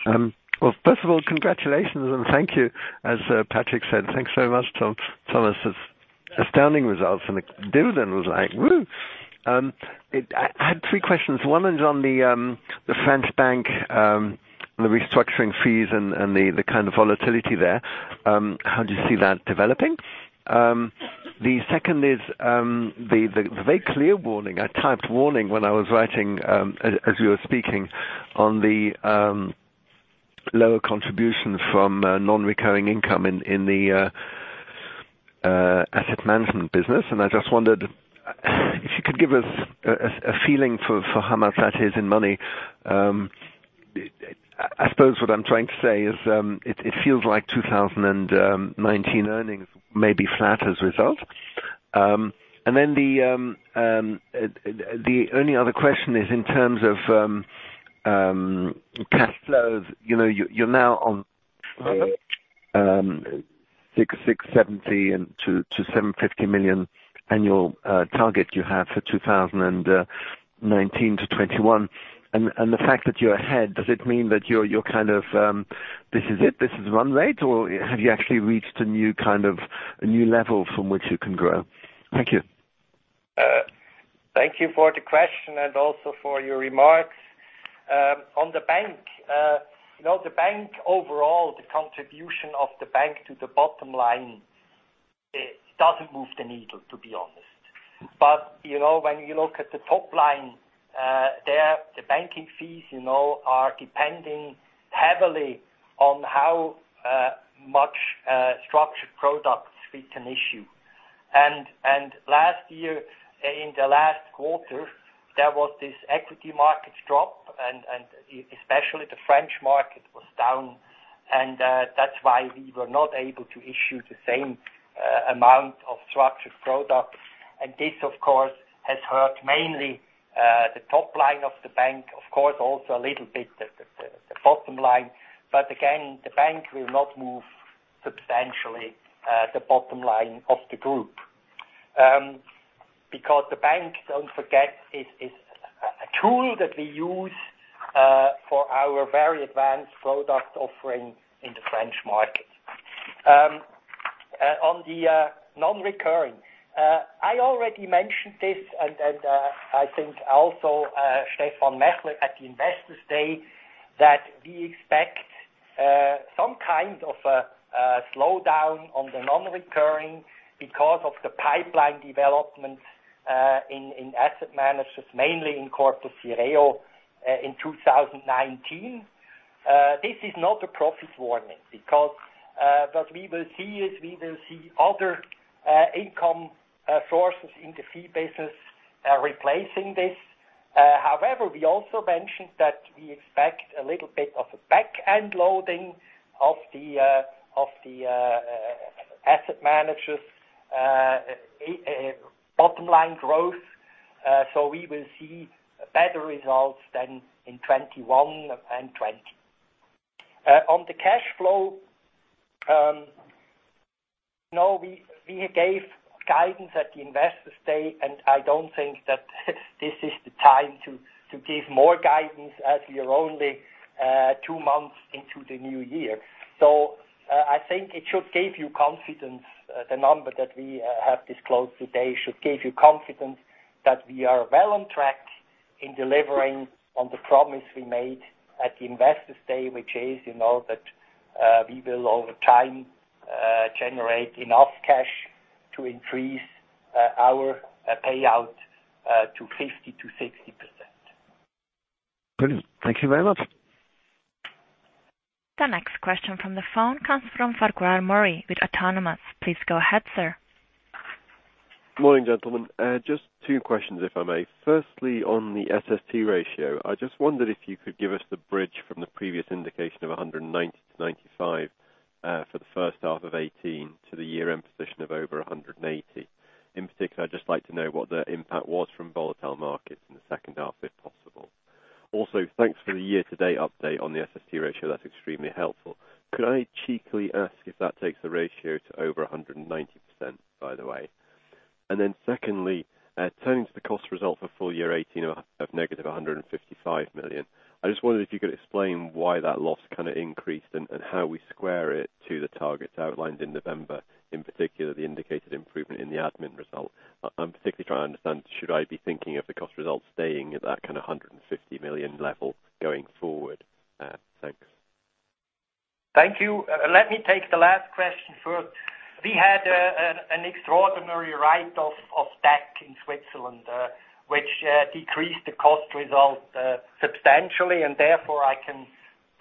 Well, first of all, congratulations and thank you. As Patrick said, thanks so much, Thomas. Astounding results, and the dividend was like, woo. I had three questions. One is on the French bank, the restructuring fees, and the kind of volatility there. How do you see that developing? The second is the very clear warning. I typed warning when I was writing, as you were speaking, on the lower contribution from non-recurring income in the asset management business, and I just wondered if you could give us a feeling for how much that is in money. I suppose what I am trying to say is, it feels like 2019 earnings may be flat as a result. The only other question is in terms of cash flows. You are now on 670 million to 750 million annual target you have for 2019 to 2021. The fact that you're ahead, does it mean that you're kind of, this is it, this is run rate, or have you actually reached a new level from which you can grow? Thank you. Thank you for the question and also for your remarks. On the bank. The bank overall, the contribution of the bank to the bottom line, it doesn't move the needle, to be honest. When you look at the top line, there, the banking fees are depending heavily on how much structured products we can issue. Last year, in the last quarter, there was this equity market drop, and especially the French market was down, and that's why we were not able to issue the same amount of structured products. This, of course, has hurt mainly the top line of the bank. Of course, also a little bit the bottom line. Again, the bank will not move substantially the bottom line of the group. The bank, don't forget, is a tool that we use for our very advanced product offering in the French market. On the non-recurring. I already mentioned this, and I think also Stefan Mächler at the Investors' Day, that we expect some kind of a slowdown on the non-recurring because of the pipeline development in asset managers, mainly in Corpus Sireo, in 2019. This is not a profits warning, because what we will see is, we will see other income sources in the fee business replacing this. However, we also mentioned that we expect a little bit of a back-end loading of the asset managers bottom line growth. We will see better results than in 2021 and 2020. On the cash flow, we gave guidance at the Investors' Day, I don't think that this is the time to give more guidance as we are only two months into the new year. I think it should give you confidence. The number that we have disclosed today should give you confidence that we are well on track in delivering on the promise we made at the Investors Day, which is, that we will, over time, generate enough cash to increase our payout to 50%-60%. Brilliant. Thank you very much. The next question from the phone comes from Farquhar Murray with Autonomous. Please go ahead, sir. Morning, gentlemen. Just two questions, if I may. Firstly, on the SST ratio, I just wondered if you could give us the bridge from the previous indication of 190%-195% for the first half of 2018 to the year-end position of over 180%. In particular, I'd just like to know what the impact was from volatile markets in the second half, if possible. Also, thanks for the year-to-date update on the SST ratio. That's extremely helpful. Could I cheekily ask if that takes the ratio to over 190%, by the way? Then secondly, turning to the cost result for full year 2018 of negative 155 million, I just wondered if you could explain why that loss increased and how we square it to the targets outlined in November, in particular, the indicated improvement in the admin result. I'm particularly trying to understand, should I be thinking of the cost result staying at that 150 million level going forward? Thanks. Thank you. Let me take the last question first. We had an extraordinary write-off of debt in Switzerland, which decreased the cost result substantially. Therefore, I can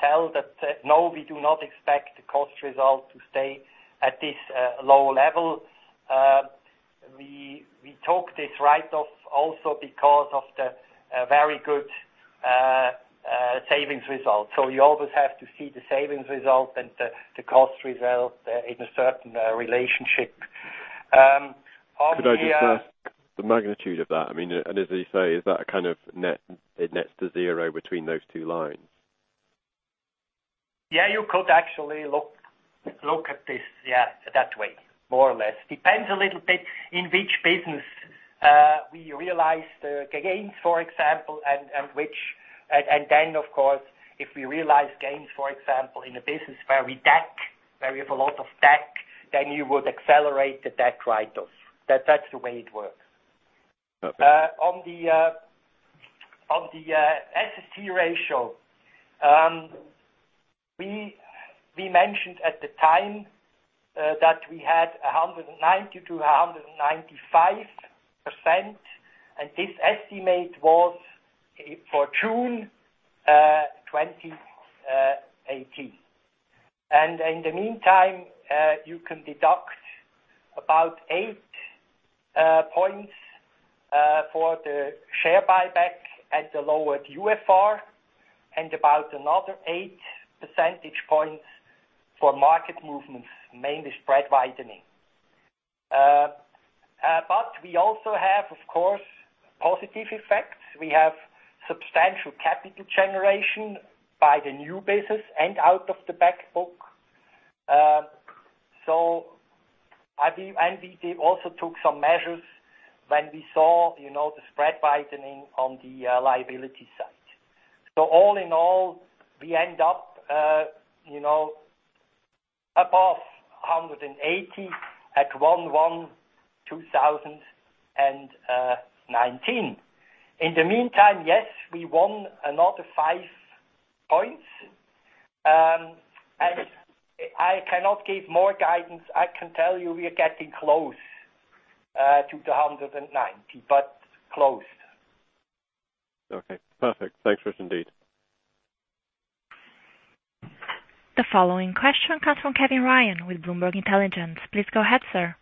tell that, no, we do not expect the cost result to stay at this low level. We took this write-off also because of the very good savings result. You always have to see the savings result and the cost result in a certain relationship. Could I just ask the magnitude of that? As you say, is that nets to zero between those two lines? Yeah, you could actually look at this that way, more or less. Depends a little bit in which business we realize the gains, for example. Then, of course, if we realize gains, for example, in a business where we have a lot of debt, then you would accelerate the debt write-offs. That's the way it works. Okay. On the SST ratio. We mentioned at the time that we had 190%-195%, and this estimate was for June 2018. In the meantime, you can deduct about eight points for the share buyback at the lower UFR and about another eight percentage points for market movements, mainly spread widening. We also have, of course, positive effects. We have substantial capital generation by the new business and out of the back book. We also took some measures when we saw the spread widening on the liability side. All in all, we end up above 180 at 1/1/2019. In the meantime, yes, we won another five points. I cannot give more guidance. I can tell you we are getting close to the 190, but close. Okay. Perfect. Thanks for it indeed. The following question comes from Kevin Ryan with Bloomberg Intelligence. Please go ahead, sir.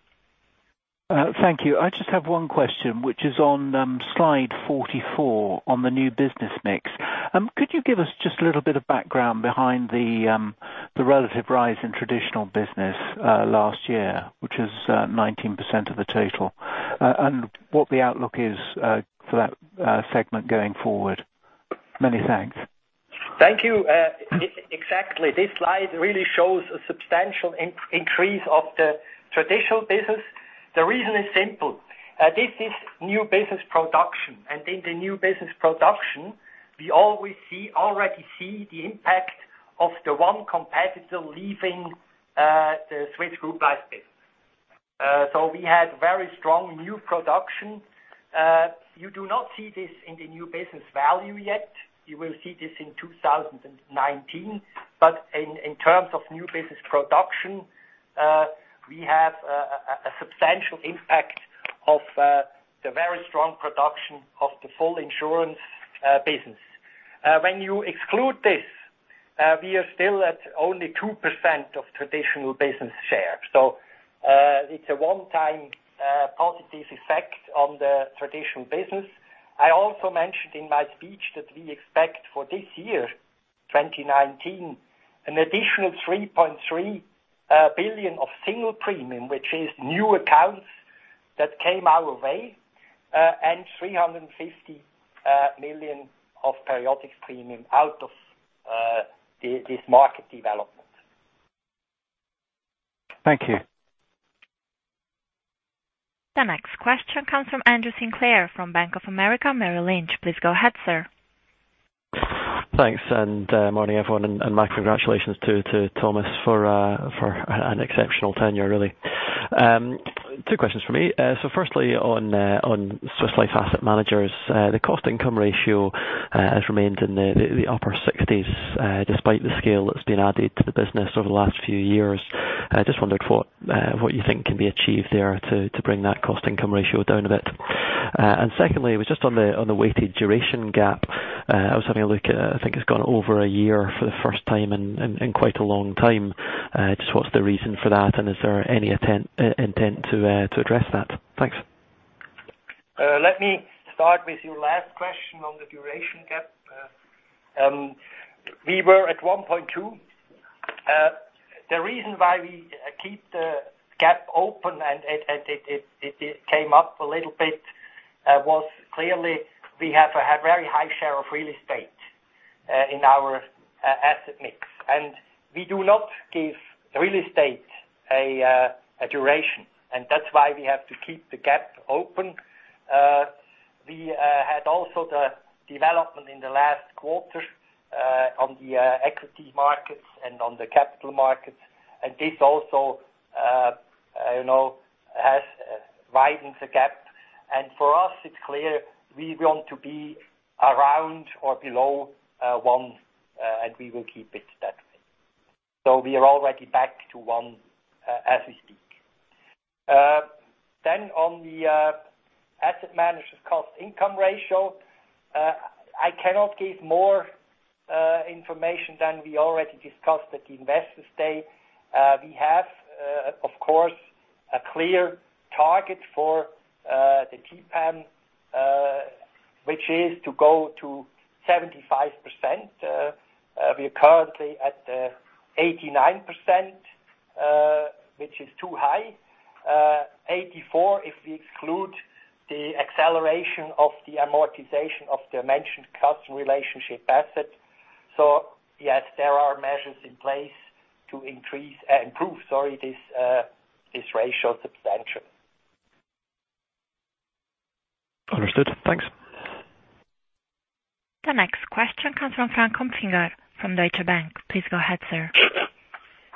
Thank you. I just have one question, which is on slide 44 on the new business mix. Could you give us just a little bit of background behind the relative rise in traditional business last year, which is 19% of the total, and what the outlook is for that segment going forward? Many thanks. Thank you. Exactly. This slide really shows a substantial increase of the traditional business. The reason is simple. This is new business production, and in the new business production, we already see the impact of the one competitor leaving the Swiss group life business. We had very strong new production. You do not see this in the new business value yet. You will see this in 2019. In terms of new business production, we have a substantial impact of the very strong production of the Full Insurance business. When you exclude this, we are still at only 2% of traditional business share. It's a one-time positive effect on the traditional business. I also mentioned in my speech that we expect for this year, 2019, an additional 3.3 billion of single premium, which is new accounts that came our way, and 350 million of periodic premium out of this market development. Thank you. The next question comes from Andrew Sinclair from Bank of America Merrill Lynch. Please go ahead, sir. Thanks, morning, everyone, my congratulations too, to Thomas for an exceptional tenure, really. 2 questions from me. Firstly, on Swiss Life Asset Managers. The cost-income ratio has remained in the upper 60s despite the scale that's been added to the business over the last few years. I just wondered what you think can be achieved there to bring that cost-income ratio down a bit. Secondly, it was just on the weighted duration gap. I was having a look at it. I think it's gone over a year for the first time in quite a long time. Just what's the reason for that, and is there any intent to address that? Thanks. Let me start with your last question on the duration gap. We were at 1.2. The reason why we keep the gap open and it came up a little bit was clearly we have a very high share of real estate in our asset mix, and we do not give real estate a duration, and that's why we have to keep the gap open. We had also the development in the last quarter on the equity markets and on the capital markets, and this also has widened the gap. For us, it's clear we want to be around or below one, and we will keep it that way. We are already back to one as we speak. On the asset management cost-income ratio. I cannot give more information than we already discussed at the Investors' Day. We have, of course, a clear target for the TPAM, which is to go to 75%. We are currently at 89%, which is too high. 84, if we exclude the acceleration of the amortization of the mentioned customer relationship asset. Yes, there are measures in place to improve this ratio substantially. Understood. Thanks. The next question comes from Frank Hömpen from Deutsche Bank. Please go ahead, sir.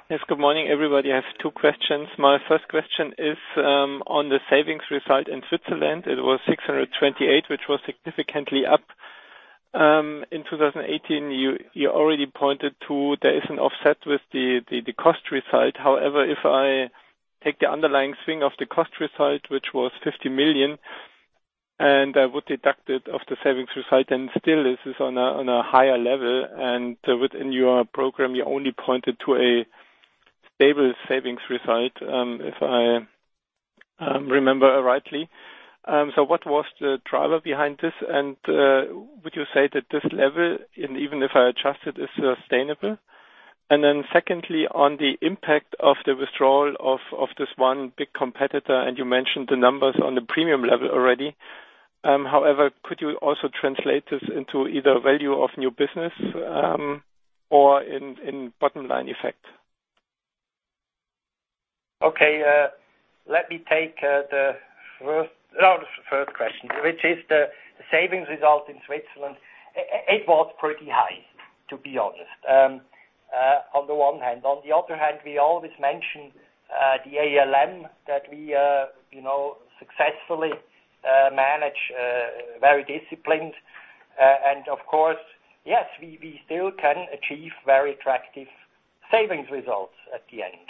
Yes, good morning, everybody. I have two questions. My first question is on the savings result in Switzerland. It was 628, which was significantly up. In 2018, you already pointed to there is an offset with the cost result. If I take the underlying swing of the cost result, which was 50 million, I would deduct it off the savings result, and still this is on a higher level. Within your program, you only pointed to a stable savings result, if I remember rightly. What was the driver behind this? Would you say that this level, even if I adjust it, is sustainable? Secondly, on the impact of the withdrawal of this one big competitor, you mentioned the numbers on the premium level already. However, could you also translate this into either value of new business or in bottom-line effect? Okay. Let me take the first question, which is the savings result in Switzerland. It was pretty high, to be honest, on the one hand. On the other hand, we always mention the ALM that we successfully manage very disciplined. Of course, yes, we still can achieve very attractive savings results at the end.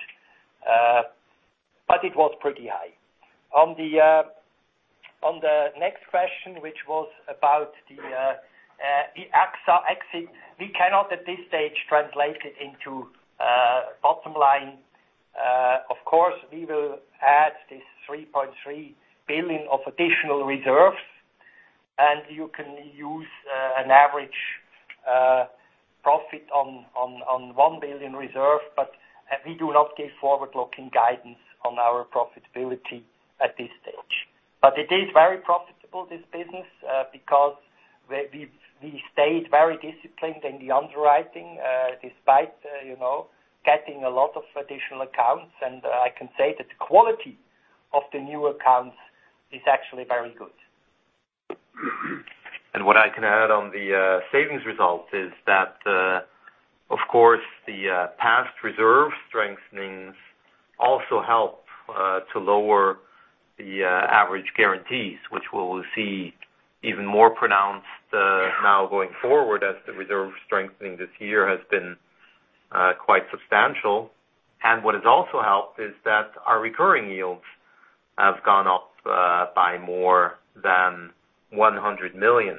It was pretty high. On the next question, which was about the AXA exit. We cannot at this stage translate it into bottom line. Of course, we will add this 3.3 billion of additional reserves, and you can use an average profit on 1 billion reserve, we do not give forward-looking guidance on our profitability at this stage. It is very profitable, this business, because we stayed very disciplined in the underwriting despite getting a lot of additional accounts. I can say that the quality of the new accounts is actually very good. What I can add on the savings result is that, of course, the past reserve strengthenings also help to lower the average guarantees, which we'll see even more pronounced now going forward as the reserve strengthening this year has been Quite substantial. What has also helped is that our recurring yields have gone up by more than 100 million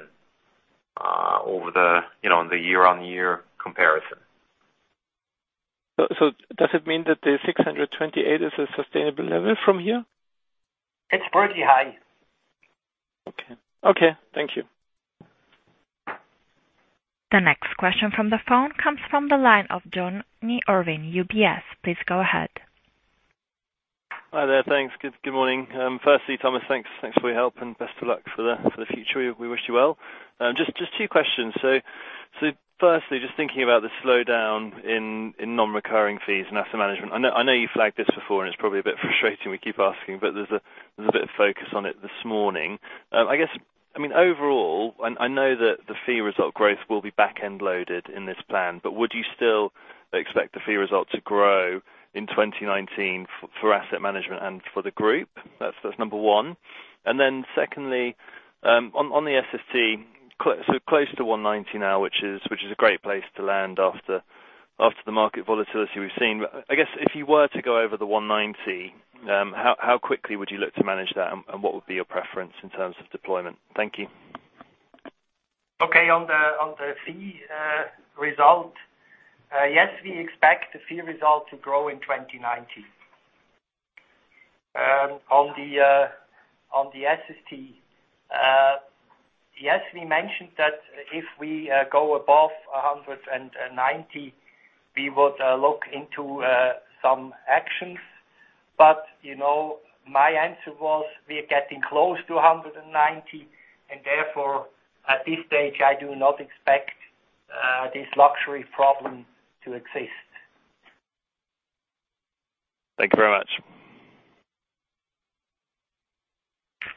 over the year-on-year comparison. Does it mean that the 628 is a sustainable level from here? It's pretty high. Okay. Thank you. The next question from the phone comes from the line of Jon Hocking, UBS. Please go ahead. Hi there. Thanks. Good morning. Firstly, Thomas, thanks for your help and best of luck for the future. We wish you well. Just two questions. Firstly, just thinking about the slowdown in non-recurring fees and asset management. I know you flagged this before, and it's probably a bit frustrating we keep asking, but there's a bit of focus on it this morning. Overall, I know that the fee result growth will be back-end loaded in this plan, but would you still expect the fee result to grow in 2019 for asset management and for the group? That's number one. Secondly, on the SST, close to 190 now, which is a great place to land after the market volatility we've seen. I guess, if you were to go over the 190, how quickly would you look to manage that, and what would be your preference in terms of deployment? Thank you. Okay, on the fee result. Yes, we expect the fee result to grow in 2019. On the SST, yes, we mentioned that if we go above 190, we would look into some actions. My answer was we're getting close to 190, therefore, at this stage, I do not expect this luxury problem to exist. Thank you very much.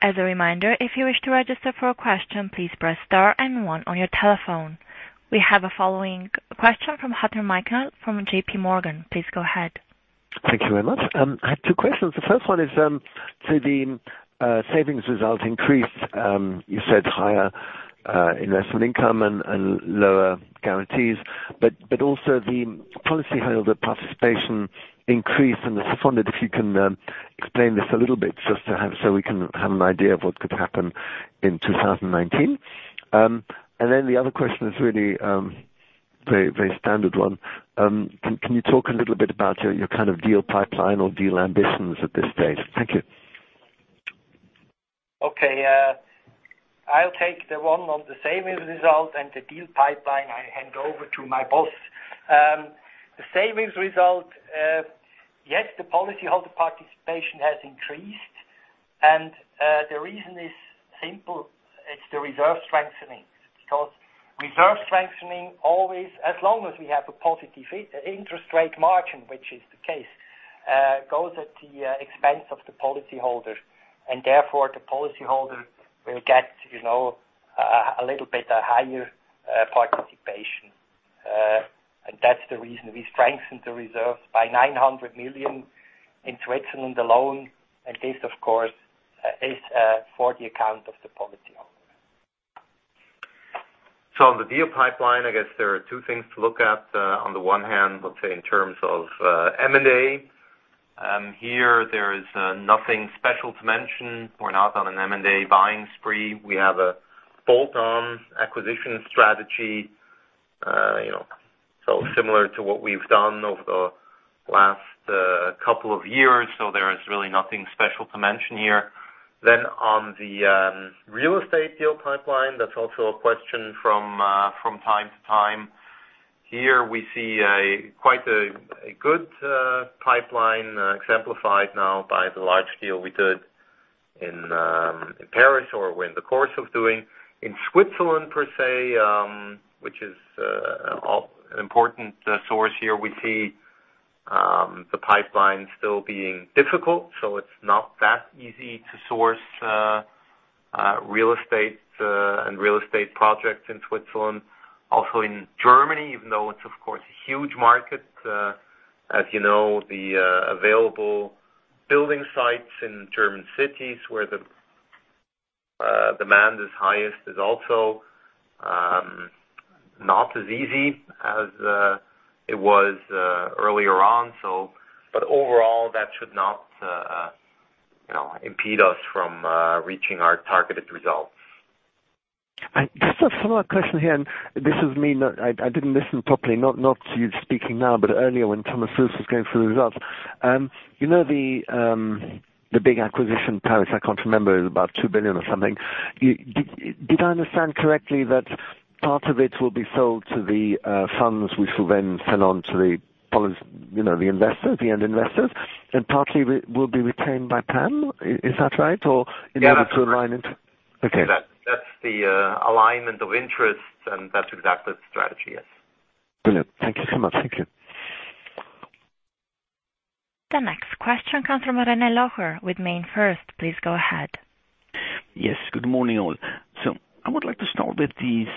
As a reminder, if you wish to register for a question, please press star and one on your telephone. We have a following question from Michael Huttner from J.P. Morgan. Please go ahead. Thank you very much. I have two questions. The first one is, the savings result increased. You said higher investment income and lower guarantees, also the policyholder participation increased. I just wondered if you can explain this a little bit just so we can have an idea of what could happen in 2019. The other question is really very standard one. Can you talk a little bit about your deal pipeline or deal ambitions at this stage? Thank you. Okay. I'll take the one on the savings result. The deal pipeline I hand over to my boss. The savings result. Yes, the policyholder participation has increased. The reason is simple. It's the reserve strengthening. Reserve strengthening always, as long as we have a positive interest rate margin, which is the case, goes at the expense of the policyholder. Therefore, the policyholder will get a little bit higher participation. That's the reason we strengthened the reserves by 900 million in Switzerland alone. This, of course, is for the account of the policyholder. The deal pipeline, I guess there are two things to look at. On the one hand, let's say in terms of M&A. Here, there is nothing special to mention. We're not on an M&A buying spree. We have a bolt-on acquisition strategy, similar to what we've done over the last couple of years. There is really nothing special to mention here. On the real estate deal pipeline, that's also a question from time to time. Here we see quite a good pipeline exemplified now by the large deal we did in Paris, or we're in the course of doing. In Switzerland, per se, which is an important source here, we see the pipeline still being difficult. It's not that easy to source real estate and real estate projects in Switzerland. Also in Germany, even though it's of course a huge market. As you know, the available building sites in German cities where the demand is highest is also not as easy as it was earlier on. Overall, that should not impede us from reaching our targeted results. Just a follow-up question here. This is me. I didn't listen properly, not to you speaking now, but earlier when Thomas Buess was going through the results. You know the big acquisition in Paris, I can't remember, it was about 2 billion or something. Did I understand correctly that part of it will be sold to the funds which will then sell on to the end investors and partly will be retained by PAM? Is that right? Yeah, that's correct. Okay. That's the alignment of interests, and that's exactly the strategy, yes. Brilliant. Thank you so much. Thank you. The next question comes from Rene Locher with MainFirst. Please go ahead. Yes. Good morning, all. I would like to start with this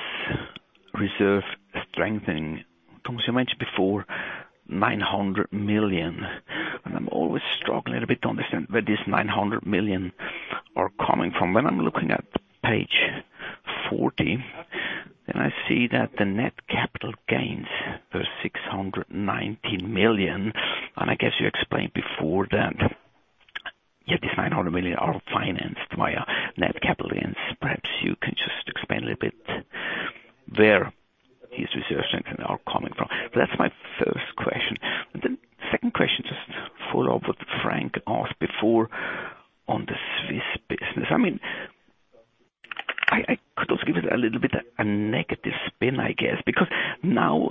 reserve strengthening. Thomas, you mentioned before 900 million, and I'm always struggling a bit to understand where this 900 million are coming from. When I'm looking at the page 40. I see that the net capital gains are 619 million, and I guess you explained before that this 900 million are financed via net capital gains. Perhaps you can just explain a little bit where these reserve strengths are coming from. That's my first question. The second question, just to follow up what Frank asked before on the Swiss business. I could also give it a little bit of a negative spin, I guess, because now,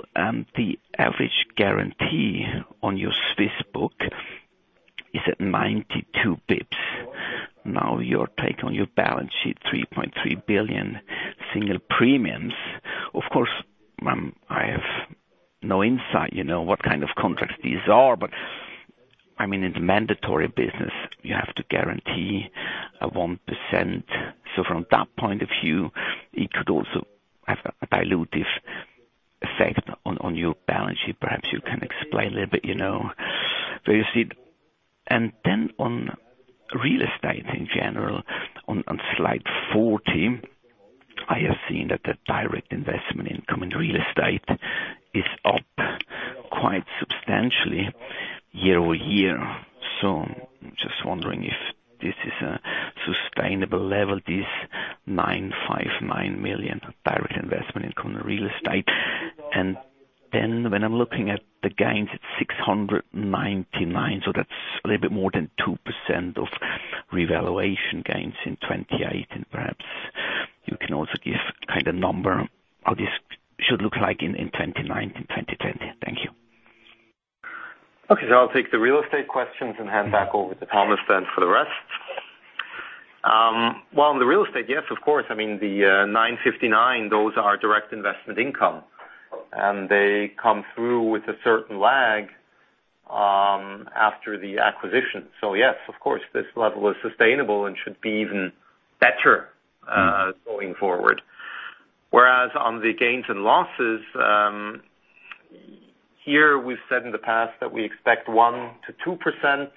here we've said in the past that we expect 1%-2%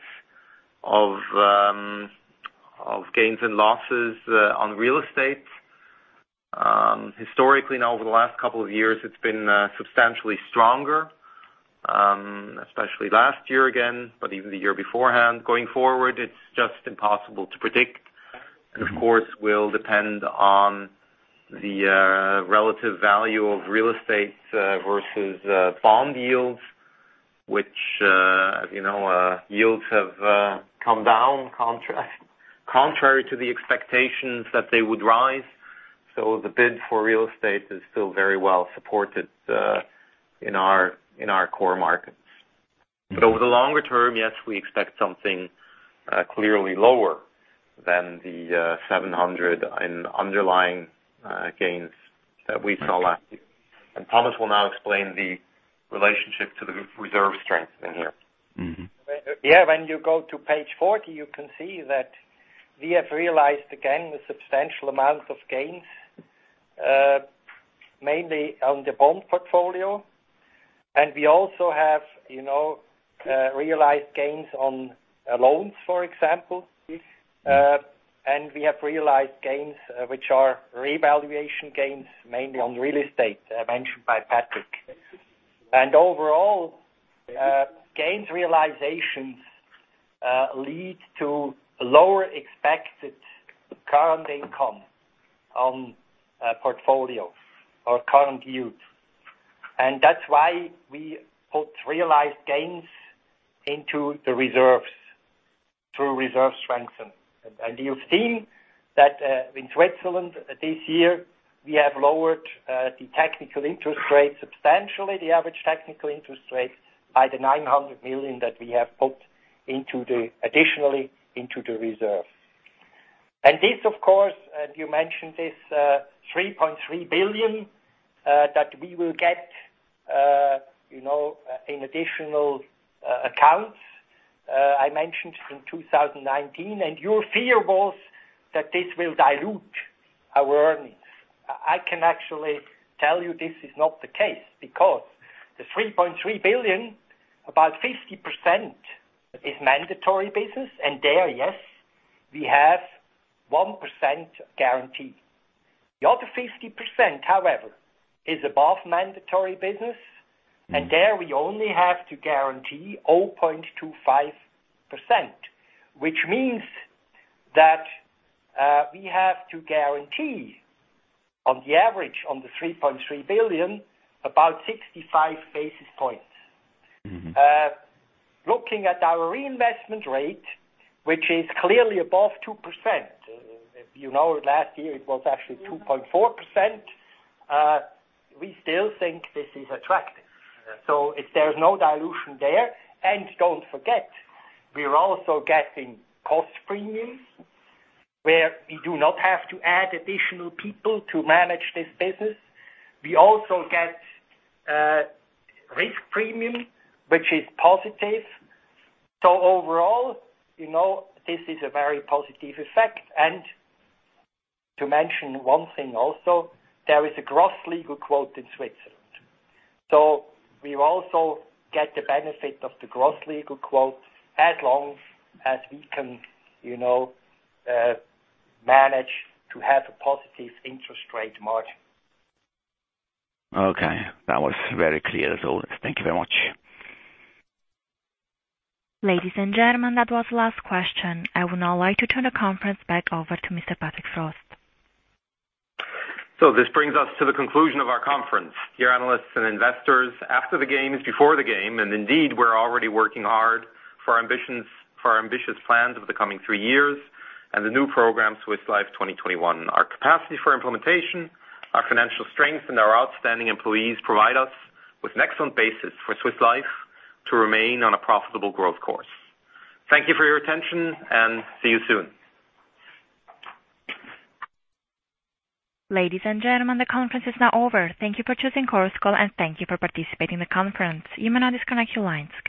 of gains and losses on real estate. Historically, now over the last couple of years, it's been substantially stronger, especially last year again, but even the year beforehand. Going forward, it's just impossible to predict. Of course, will depend on the relative value of real estate versus bond yields, which as you know, yields have come down contrary to the expectations that they would rise. The bid for real estate is still very well supported in our core markets. Over the longer term, yes, we expect something clearly lower than the 700 in underlying gains that we saw last year. Thomas will now explain the relationship to the reserve strength in here. When you go to page 40, you can see that we have realized again, the substantial amount of gains, mainly on the bond portfolio. We also have realized gains on loans, for example. We have realized gains, which are revaluation gains, mainly on real estate, mentioned by Patrick. Overall, gains realizations lead to lower expected current income on portfolios or current yields. That's why we put realized gains into the reserves through reserve strengthen. You've seen that in Switzerland this year, we have lowered the technical interest rate substantially, the average technical interest rate, by the 900 million that we have put additionally into the reserve. This, of course, you mentioned this 3.3 billion that we will get in additional accounts, I mentioned in 2019. Your fear was that this will dilute our earnings. I can actually tell you this is not the case because the 3.3 billion, about 50% is mandatory business. There, yes, we have 1% guarantee. The other 50%, however, is above mandatory business. There we only have to guarantee 0.25%, which means that we have to guarantee on the average, on the 3.3 billion, about 65 basis points. Looking at our reinvestment rate, which is clearly above 2%. If you know, last year it was actually 2.4%. We still think this is attractive. There's no dilution there. Don't forget, we are also getting cost premiums where we do not have to add additional people to manage this business. We also get risk premium, which is positive. Overall, this is a very positive effect. To mention one thing also, there is a gross legal quote in Switzerland. We also get the benefit of the gross legal quote as long as we can manage to have a positive interest rate margin. Okay. That was very clear as well. Thank you very much. Ladies and gentlemen, that was the last question. I would now like to turn the conference back over to Mr. Patrick Frost. This brings us to the conclusion of our conference. Dear analysts and investors, after the game is before the game, and indeed, we're already working hard for our ambitious plans over the coming three years and the new program, Swiss Life 2021. Our capacity for implementation, our financial strength, and our outstanding employees provide us with an excellent basis for Swiss Life to remain on a profitable growth course. Thank you for your attention, and see you soon. Ladies and gentlemen, the conference is now over. Thank you for choosing Chorus Call, and thank you for participating in the conference. You may now disconnect your lines.